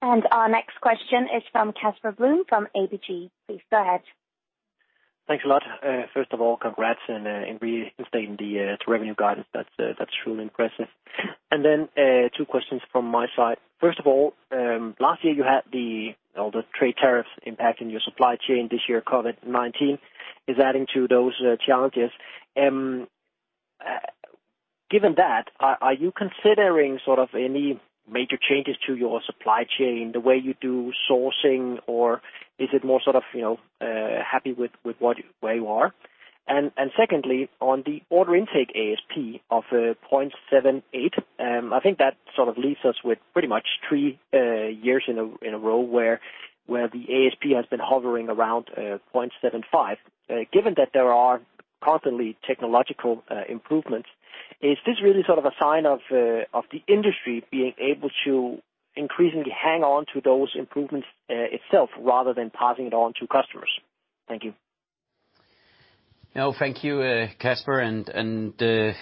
Our next question is from Casper Blom from ABG. Please go ahead. Thanks a lot. First of all, congrats in reinstating the revenue guidance. That's truly impressive. Two questions from my side. First of all, last year you had all the trade tariffs impacting your supply chain. This year, COVID-19 is adding to those challenges. Given that, are you considering sort of any major changes to your supply chain, the way you do sourcing, or is it more sort of happy with where you are? Secondly, on the order intake ASP of 0.78, I think that sort of leaves us with pretty much three years in a row where the ASP has been hovering around 0.75. Given that there are constantly technological improvements, is this really sort of a sign of the industry being able to increasingly hang on to those improvements itself rather than passing it on to customers? Thank you. No, thank you, Casper, and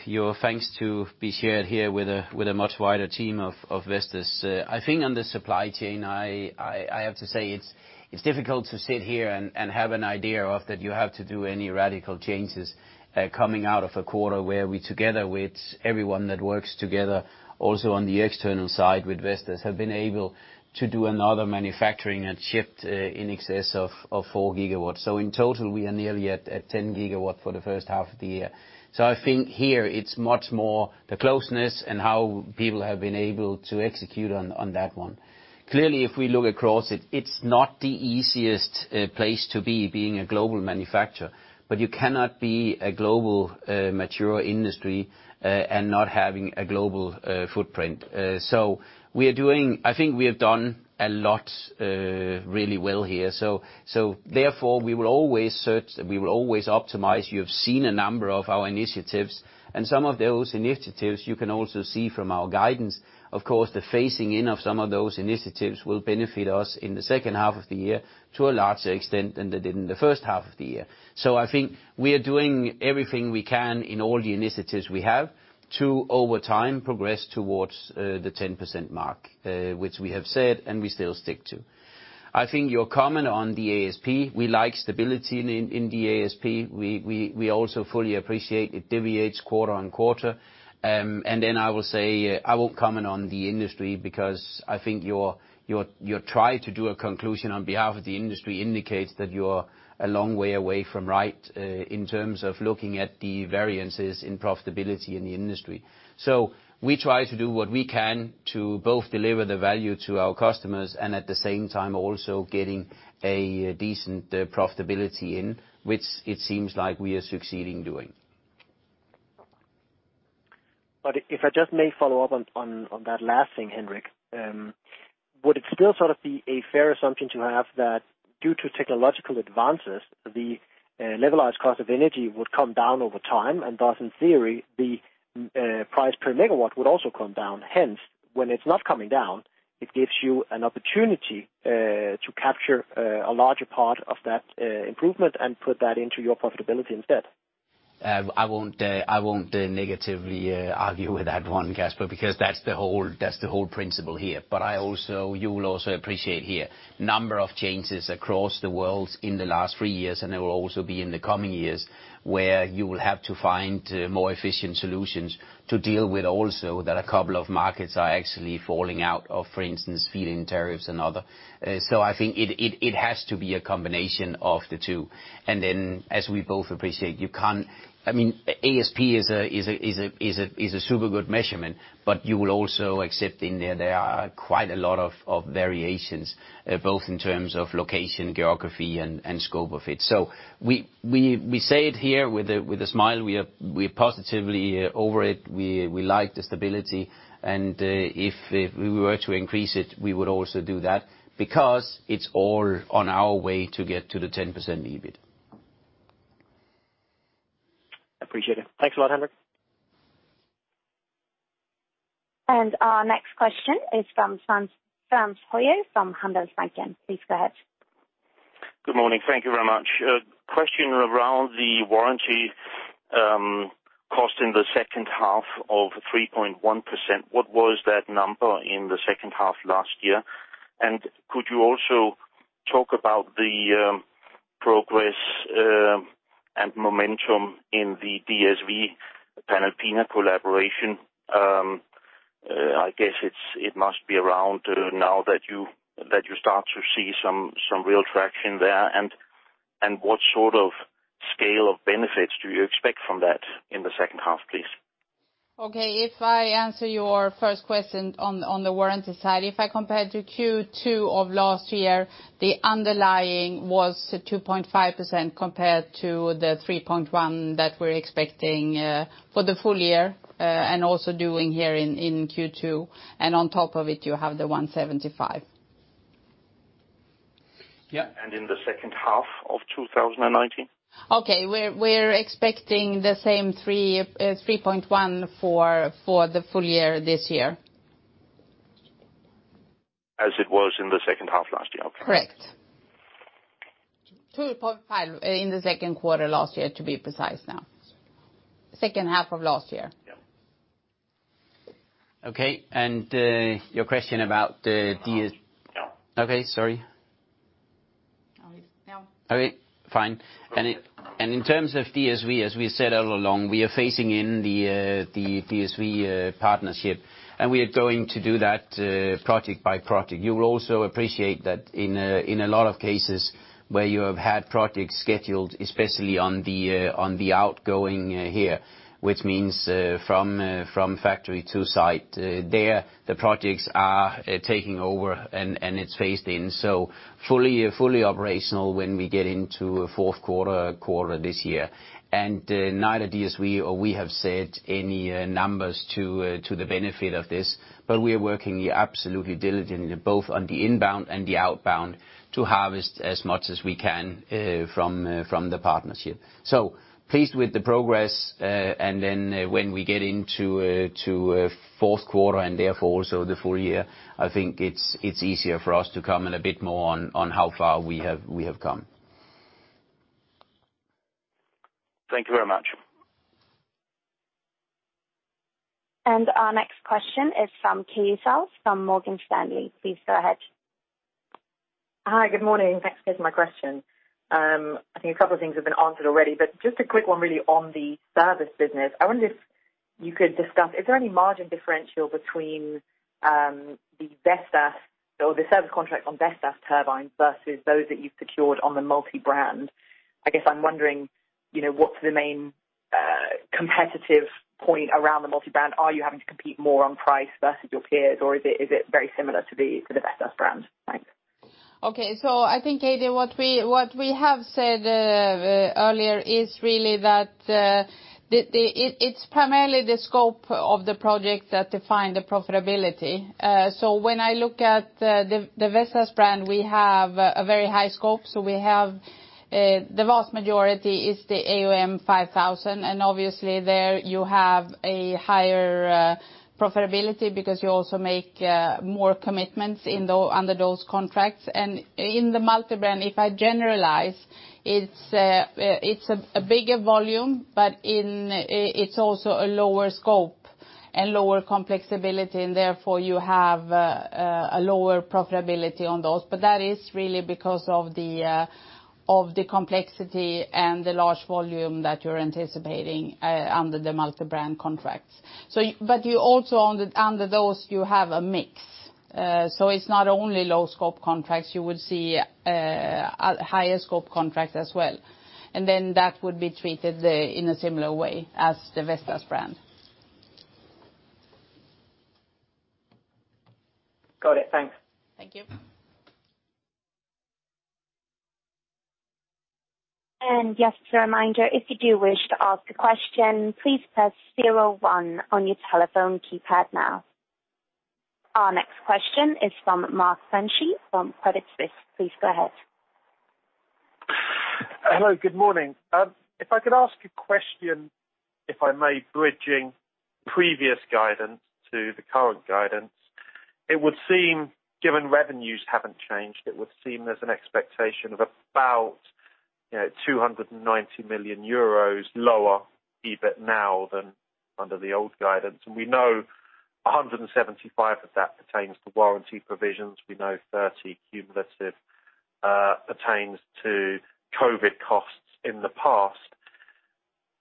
your thanks to be shared here with a much wider team of Vestas. I think on the supply chain, I have to say, it's difficult to sit here and have an idea of that you have to do any radical changes coming out of a quarter where we, together with everyone that works together, also on the external side with Vestas, have been able to do another manufacturing and shipped in excess of 4 GW. In total, we are nearly at 10 GW for the first half of the year. I think here it's much more the closeness and how people have been able to execute on that one. Clearly, if we look across it's not the easiest place to be, being a global manufacturer. You cannot be a global, mature industry and not having a global footprint. I think we have done a lot really well here. Therefore, we will always search, we will always optimize. You have seen a number of our initiatives, and some of those initiatives you can also see from our guidance. Of course, the phasing in of some of those initiatives will benefit us in the second half of the year to a larger extent than they did in the first half of the year. I think we are doing everything we can in all the initiatives we have to, over time, progress towards the 10% mark, which we have said and we still stick to. I think your comment on the ASP, we like stability in the ASP. We also fully appreciate it deviates quarter-on-quarter. I will say, I won't comment on the industry because I think your try to do a conclusion on behalf of the industry indicates that you're a long way away from right in terms of looking at the variances in profitability in the industry. We try to do what we can to both deliver the value to our customers, and at the same time, also getting a decent profitability in, which it seems like we are succeeding doing. If I just may follow up on that last thing, Henrik, would it still sort of be a fair assumption to have that due to technological advances, the levelized cost of energy would come down over time, and thus in theory, the price per megawatt would also come down? When it's not coming down, it gives you an opportunity to capture a larger part of that improvement and put that into your profitability instead. I won't negatively argue with that one, Casper, because that's the whole principle here. You will also appreciate here, number of changes across the world in the last three years, and there will also be in the coming years, where you will have to find more efficient solutions to deal with also that a couple of markets are actually falling out of, for instance, feed-in tariffs and other. I think it has to be a combination of the two. As we both appreciate, ASP is a super good measurement, but you will also accept in there are quite a lot of variations, both in terms of location, geography, and scope of it. We say it here with a smile. We're positively over it. We like the stability, and if we were to increase it, we would also do that, because it's all on our way to get to the 10% EBIT. Appreciate it. Thanks a lot, Henrik. Our next question is from Frans Høyer, from Handelsbanken. Please go ahead. Good morning. Thank you very much. Question around the warranty cost in the second half of 3.1%. What was that number in the second half last year? Could you also talk about the progress and momentum in the DSV Panalpina collaboration? I guess it must be around now that you start to see some real traction there, and what sort of scale of benefits do you expect from that in the second half, please? Okay. If I answer your first question on the warranty side, if I compare to Q2 of last year, the underlying was 2.5% compared to the 3.1% that we're expecting for the full year, and also doing here in Q2, and on top of it you have the 175 million. Yeah. In the second half of 2019? Okay. We're expecting the same 3.1% for the full year this year. As it was in the second half last year? Okay. Correct. 2.5% in the second quarter last year, to be precise now. Second half of last year. Yeah. Okay, your question about. Yeah. Okay. Sorry. No. Okay, fine. In terms of DSV, as we said all along, we are phasing in the DSV partnership, and we are going to do that project by project. You will also appreciate that in a lot of cases where you have had projects scheduled, especially on the outgoing here, which means from factory to site, there the projects are taking over and it's phased in. Fully operational when we get into fourth quarter this year. Neither DSV or we have said any numbers to the benefit of this. We are working absolutely diligently, both on the inbound and the outbound, to harvest as much as we can from the partnership. Pleased with the progress, and then when we get into fourth quarter and therefore also the full year, I think it's easier for us to comment a bit more on how far we have come. Thank you very much. Our next question is from Katie Self from Morgan Stanley. Please go ahead. Hi. Good morning. Thanks. Here's my question. I think a couple of things have been answered already, just a quick one really on the service business. I wonder if you could discuss, is there any margin differential between the service contract on Vestas turbines versus those that you've secured on the multi-brand? I guess I'm wondering what's the main competitive point around the multi-brand. Are you having to compete more on price versus your peers, or is it very similar to the Vestas brand? Thanks. I think, Katie, what we have said earlier is really that it's primarily the scope of the project that define the profitability. When I look at the Vestas brand, we have a very high scope. The vast majority is the AOM 5000. Obviously there you have a higher profitability because you also make more commitments under those contracts. In the multi-brand, if I generalize, it's a bigger volume, but it's also a lower scope and lower complexity, therefore you have a lower profitability on those. That is really because of the complexity and the large volume that you're anticipating under the multi-brand contracts. Also under those, you have a mix. It's not only low scope contracts, you would see a higher scope contract as well. That would be treated in a similar way as the Vestas brand. Got it. Thanks. Thank you. Just a reminder, if you do wish to ask a question, please press zero one on your telephone keypad now. Our next question is from Mark Freshney from Credit Suisse. Please go ahead. Hello, good morning. If I could ask a question, if I may, bridging previous guidance to the current guidance. It would seem, given revenues haven't changed, it would seem there's an expectation of about 290 million euros lower EBIT now than under the old guidance. We know 175 million of that pertains to warranty provisions. We know 30 million cumulative pertains to COVID costs in the past.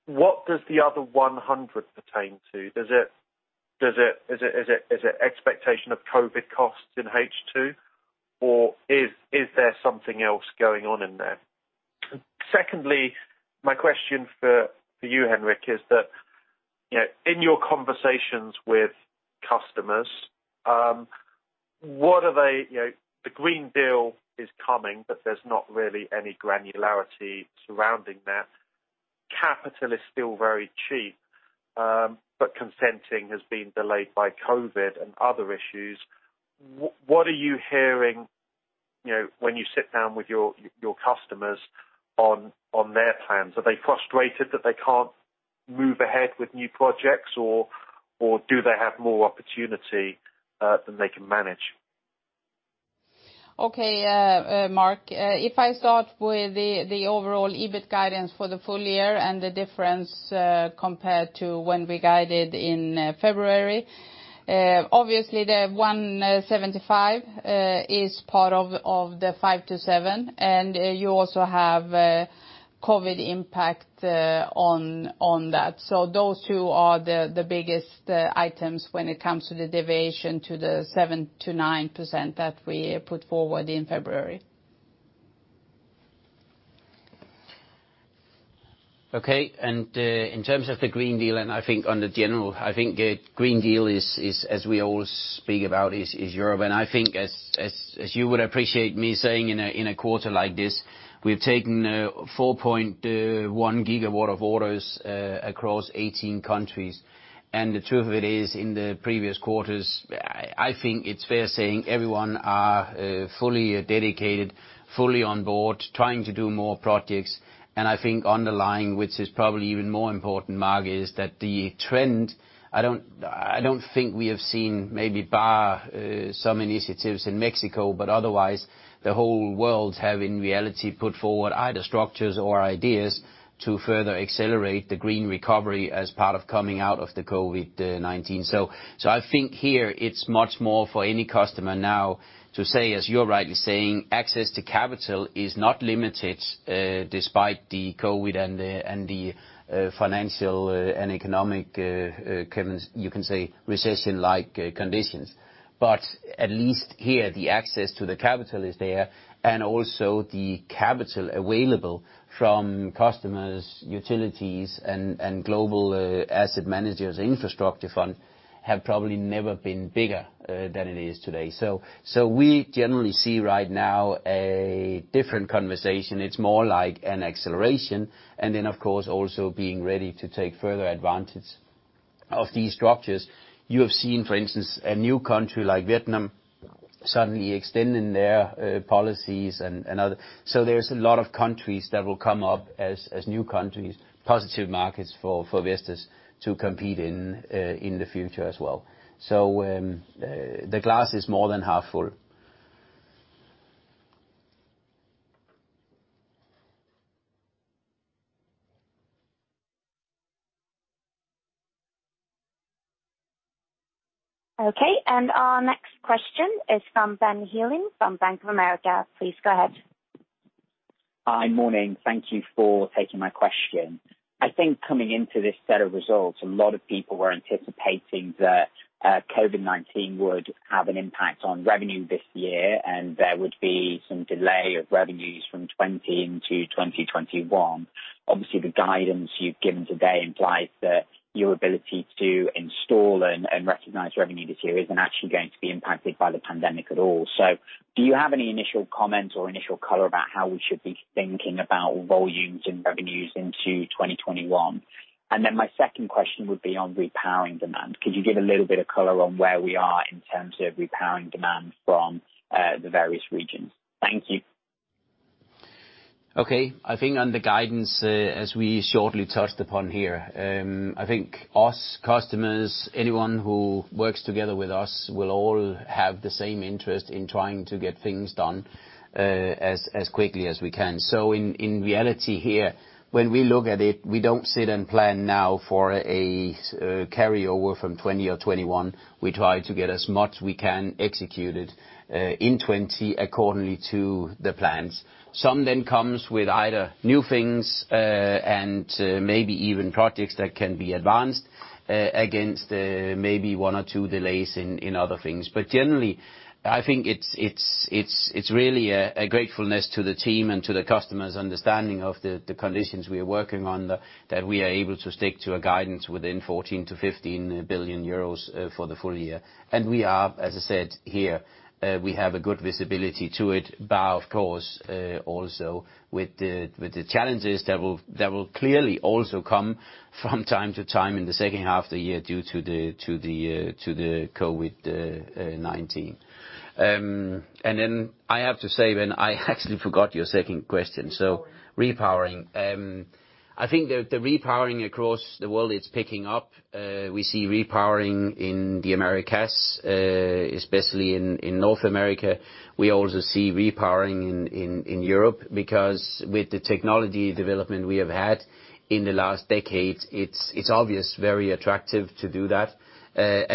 What does the other 100 million pertain to? Is it expectation of COVID costs in H2, or is there something else going on in there? Secondly, my question for you, Henrik, is that, in your conversations with customers, the Green Deal is coming, but there's not really any granularity surrounding that. Capital is still very cheap, but consenting has been delayed by COVID and other issues. What are you hearing, when you sit down with your customers on their plans? Are they frustrated that they can't move ahead with new projects, or do they have more opportunity than they can manage? Okay, Mark. If I start with the overall EBIT guidance for the full year and the difference, compared to when we guided in February. Obviously, the 175 million is part of the 5%-7%, and you also have COVID impact on that. Those two are the biggest items when it comes to the deviation to the 7%-9% that we put forward in February. Okay. In terms of the Green Deal, I think on the general, I think Green Deal is, as we always speak about, is Europe. I think as you would appreciate me saying in a quarter like this, we've taken 4.1 GW of orders across 18 countries. The truth of it is, in the previous quarters, I think it's fair saying everyone are fully dedicated, fully on board, trying to do more projects. I think underlying, which is probably even more important, Mark, is that the trend, I don't think we have seen maybe bar some initiatives in Mexico. Otherwise, the whole world have, in reality, put forward either structures or ideas to further accelerate the green recovery as part of coming out of the COVID-19. I think here, it is much more for any customer now to say, as you are rightly saying, access to capital is not limited, despite the COVID-19 and the financial and economic, you can say, recession-like conditions. At least here, the access to the capital is there, and also the capital available from customers, utilities, and global asset managers, infrastructure funds, have probably never been bigger than it is today. We generally see right now a different conversation. It is more like an acceleration, and then, of course, also being ready to take further advantage of these structures. You have seen, for instance, a new country like Vietnam suddenly extending their policies and other. There is a lot of countries that will come up as new countries, positive markets for Vestas to compete in the future as well. The glass is more than half full. Okay. Our next question is from Ben Heelan from Bank of America. Please go ahead. Hi. Morning. Thank you for taking my question. I think coming into this set of results, a lot of people were anticipating that COVID-19 would have an impact on revenue this year, and there would be some delay of revenues from 2020 into 2021. Obviously, the guidance you've given today implies that your ability to install and recognize revenue this year isn't actually going to be impacted by the pandemic at all. Do you have any initial comments or initial color about how we should be thinking about volumes and revenues into 2021? My second question would be on repowering demand. Could you give a little bit of color on where we are in terms of repowering demand from the various regions? Thank you. Okay. I think on the guidance, as we shortly touched upon here, I think us, customers, anyone who works together with us will all have the same interest in trying to get things done as quickly as we can. In reality, when we look at it, we don't sit and plan now for a carryover from 2020 or 2021. We try to get as much we can executed in 2020 accordingly to the plans. Some then comes with either new things and maybe even projects that can be advanced against maybe one or two delays in other things. Generally, I think it's really a gratefulness to the team and to the customers understanding of the conditions we are working under, that we are able to stick to a guidance within 14 billion-15 billion euros for the full year. We are, as I said, here. We have a good visibility to it, bar, of course, also with the challenges that will clearly also come from time to time in the second half of the year due to the COVID-19. I have to say, I actually forgot your second question. Repowering. Repowering. I think the repowering across the world, it's picking up. We see repowering in the Americas, especially in North America. We also see repowering in Europe because with the technology development we have had in the last decade, it's obvious very attractive to do that.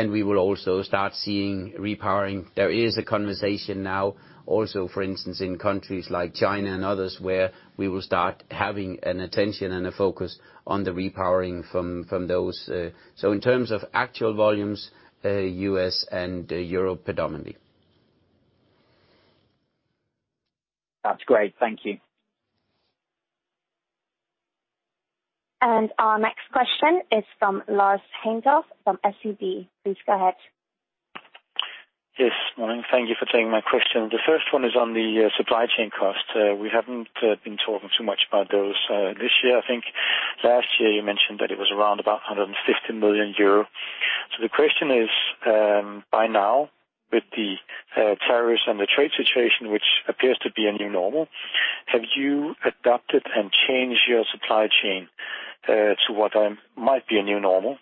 We will also start seeing repowering. There is a conversation now also, for instance, in countries like China and others, where we will start having an attention and a focus on the repowering from those. In terms of actual volumes, U.S. and Europe predominantly. That's great. Thank you. Our next question is from Lars Heindorff, from SEB. Please go ahead. Yes. Morning. Thank you for taking my question. The first one is on the supply chain cost. We haven't been talking too much about those this year. I think last year you mentioned that it was around about 150 million euro. The question is, by now, with the tariffs and the trade situation, which appears to be a new normal, have you adapted and changed your supply chain to what might be a new normal?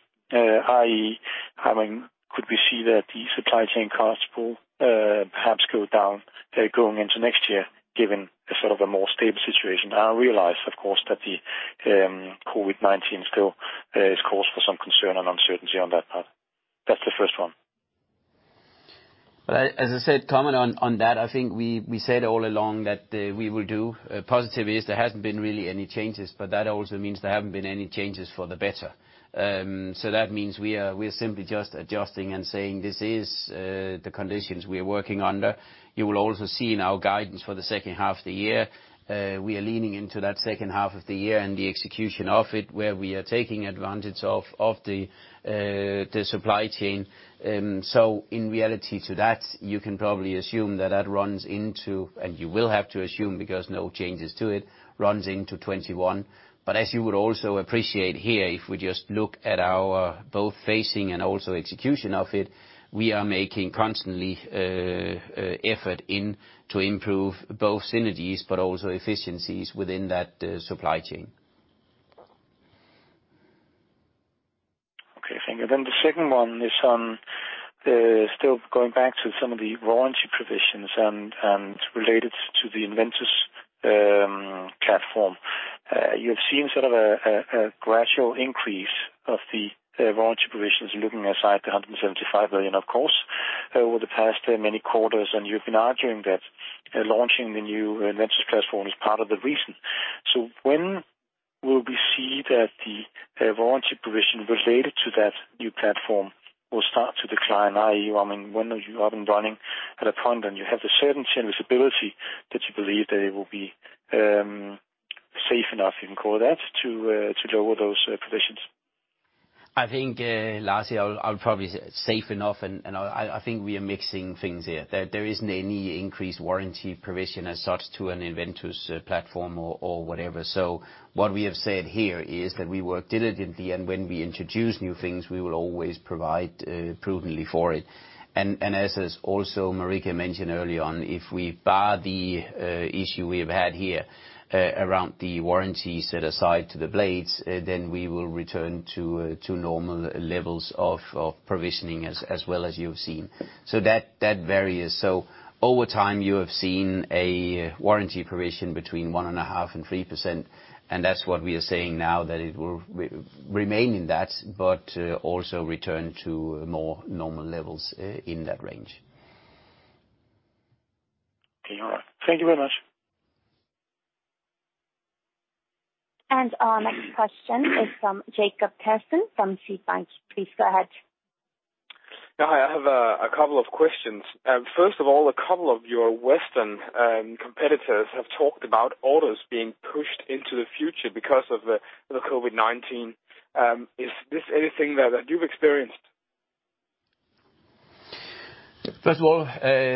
Could we see that the supply chain costs perhaps go down going into next year, given a sort of a more stable situation? I realize, of course, that the COVID-19 still is cause for some concern and uncertainty on that part. That's the first one. As I said, comment on that, I think we said all along that we will do. Positive is there hasn't been really any changes, but that also means there haven't been any changes for the better. That means we are simply just adjusting and saying, "This is the conditions we're working under." You will also see in our guidance for the second half of the year, we are leaning into that second half of the year and the execution of it, where we are taking advantage of the supply chain. In reality to that, you can probably assume that that runs into, and you will have to assume because no changes to it, runs into 2021. As you would also appreciate here, if we just look at our both facing and also execution of it, we are making constantly effort to improve both synergies but also efficiencies within that supply chain. Okay, thank you. The second one is on, still going back to some of the warranty provisions and related to the EnVentus platform. You have seen sort of a gradual increase of the warranty provisions, leaving aside the 175 million, of course, over the past many quarters, and you've been arguing that launching the new EnVentus platform is part of the reason. When will we see that the warranty provision related to that new platform will start to decline, i.e. when are you up and running at a point when you have the certainty and visibility that you believe that it will be safe enough, you can call it that, to lower those provisions? I think, Lars, here, I'll probably say safe enough, and I think we are mixing things here. There isn't any increased warranty provision as such to an EnVentus platform or whatever. What we have said here is that we work diligently, and when we introduce new things, we will always provide prudently for it. As also Marika mentioned early on, if we bar the issue we have had here around the warranty set aside to the blades, then we will return to normal levels of provisioning as well as you have seen. That varies. Over time, you have seen a warranty provision between 1.5% and 3%, and that's what we are saying now, that it will remain in that, but also return to more normal levels in that range. Okay. Thank you very much. Our next question is from Jakob [audio distorion] from. Please go ahead. Hi. I have a couple of questions. First of all, a couple of your Western competitors have talked about orders being pushed into the future because of the COVID-19. Is this anything that you've experienced? First of all,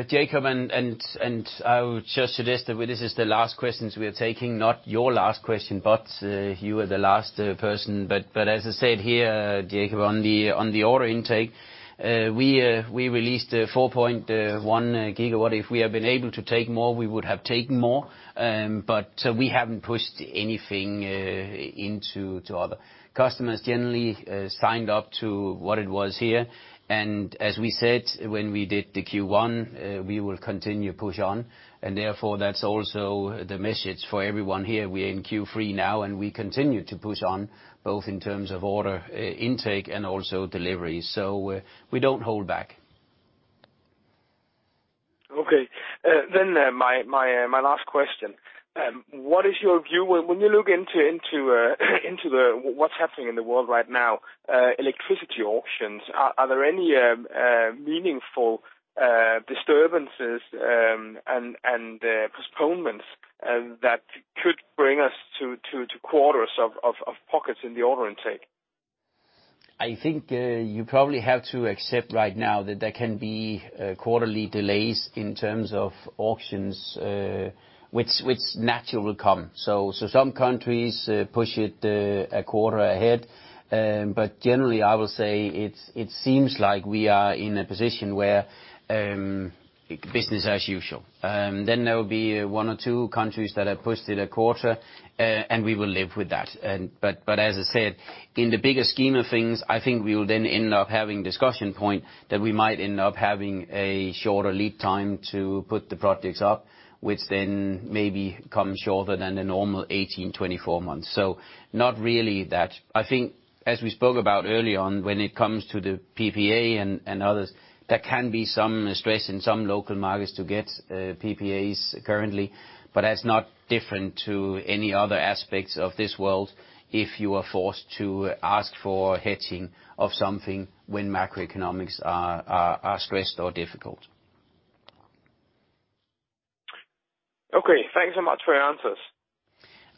Jakob, I would just suggest that this is the last questions we are taking, not your last question, but you are the last person. As I said here, Jakob, on the order intake. We released 4.1 GW. If we had been able to take more, we would have taken more. We haven't pushed anything into other. Customers generally signed up to what it was here. As we said, when we did the Q1, we will continue to push on, therefore that's also the message for everyone here. We're in Q3 now, we continue to push on, both in terms of order intake and also delivery. We don't hold back. Okay. My last question. What is your view when you look into what's happening in the world right now, electricity auctions, are there any meaningful disturbances and postponements that could bring us to quarters of pockets in the order intake? I think you probably have to accept right now that there can be quarterly delays in terms of auctions, which naturally will come. Some countries push it a quarter ahead. Generally, I will say it seems like we are in a position where business as usual. There will be one or two countries that have pushed it a quarter, and we will live with that. As I said, in the bigger scheme of things, I think we will then end up having discussion point that we might end up having a shorter lead time to put the projects up, which then maybe comes shorter than the normal 18, 24 months. Not really that. I think as we spoke about early on, when it comes to the PPA and others, there can be some stress in some local markets to get PPAs currently, but that's not different to any other aspects of this world if you are forced to ask for hedging of something when macroeconomics are stressed or difficult. Okay. Thanks so much for your answers.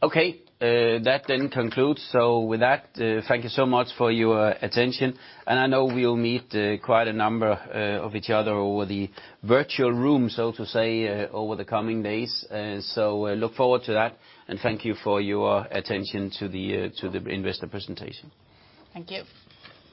Okay, that then concludes. With that, thank you so much for your attention. I know we'll meet quite a number of each other over the virtual room, so to say, over the coming days. Look forward to that, and thank you for your attention to the investor presentation. Thank you.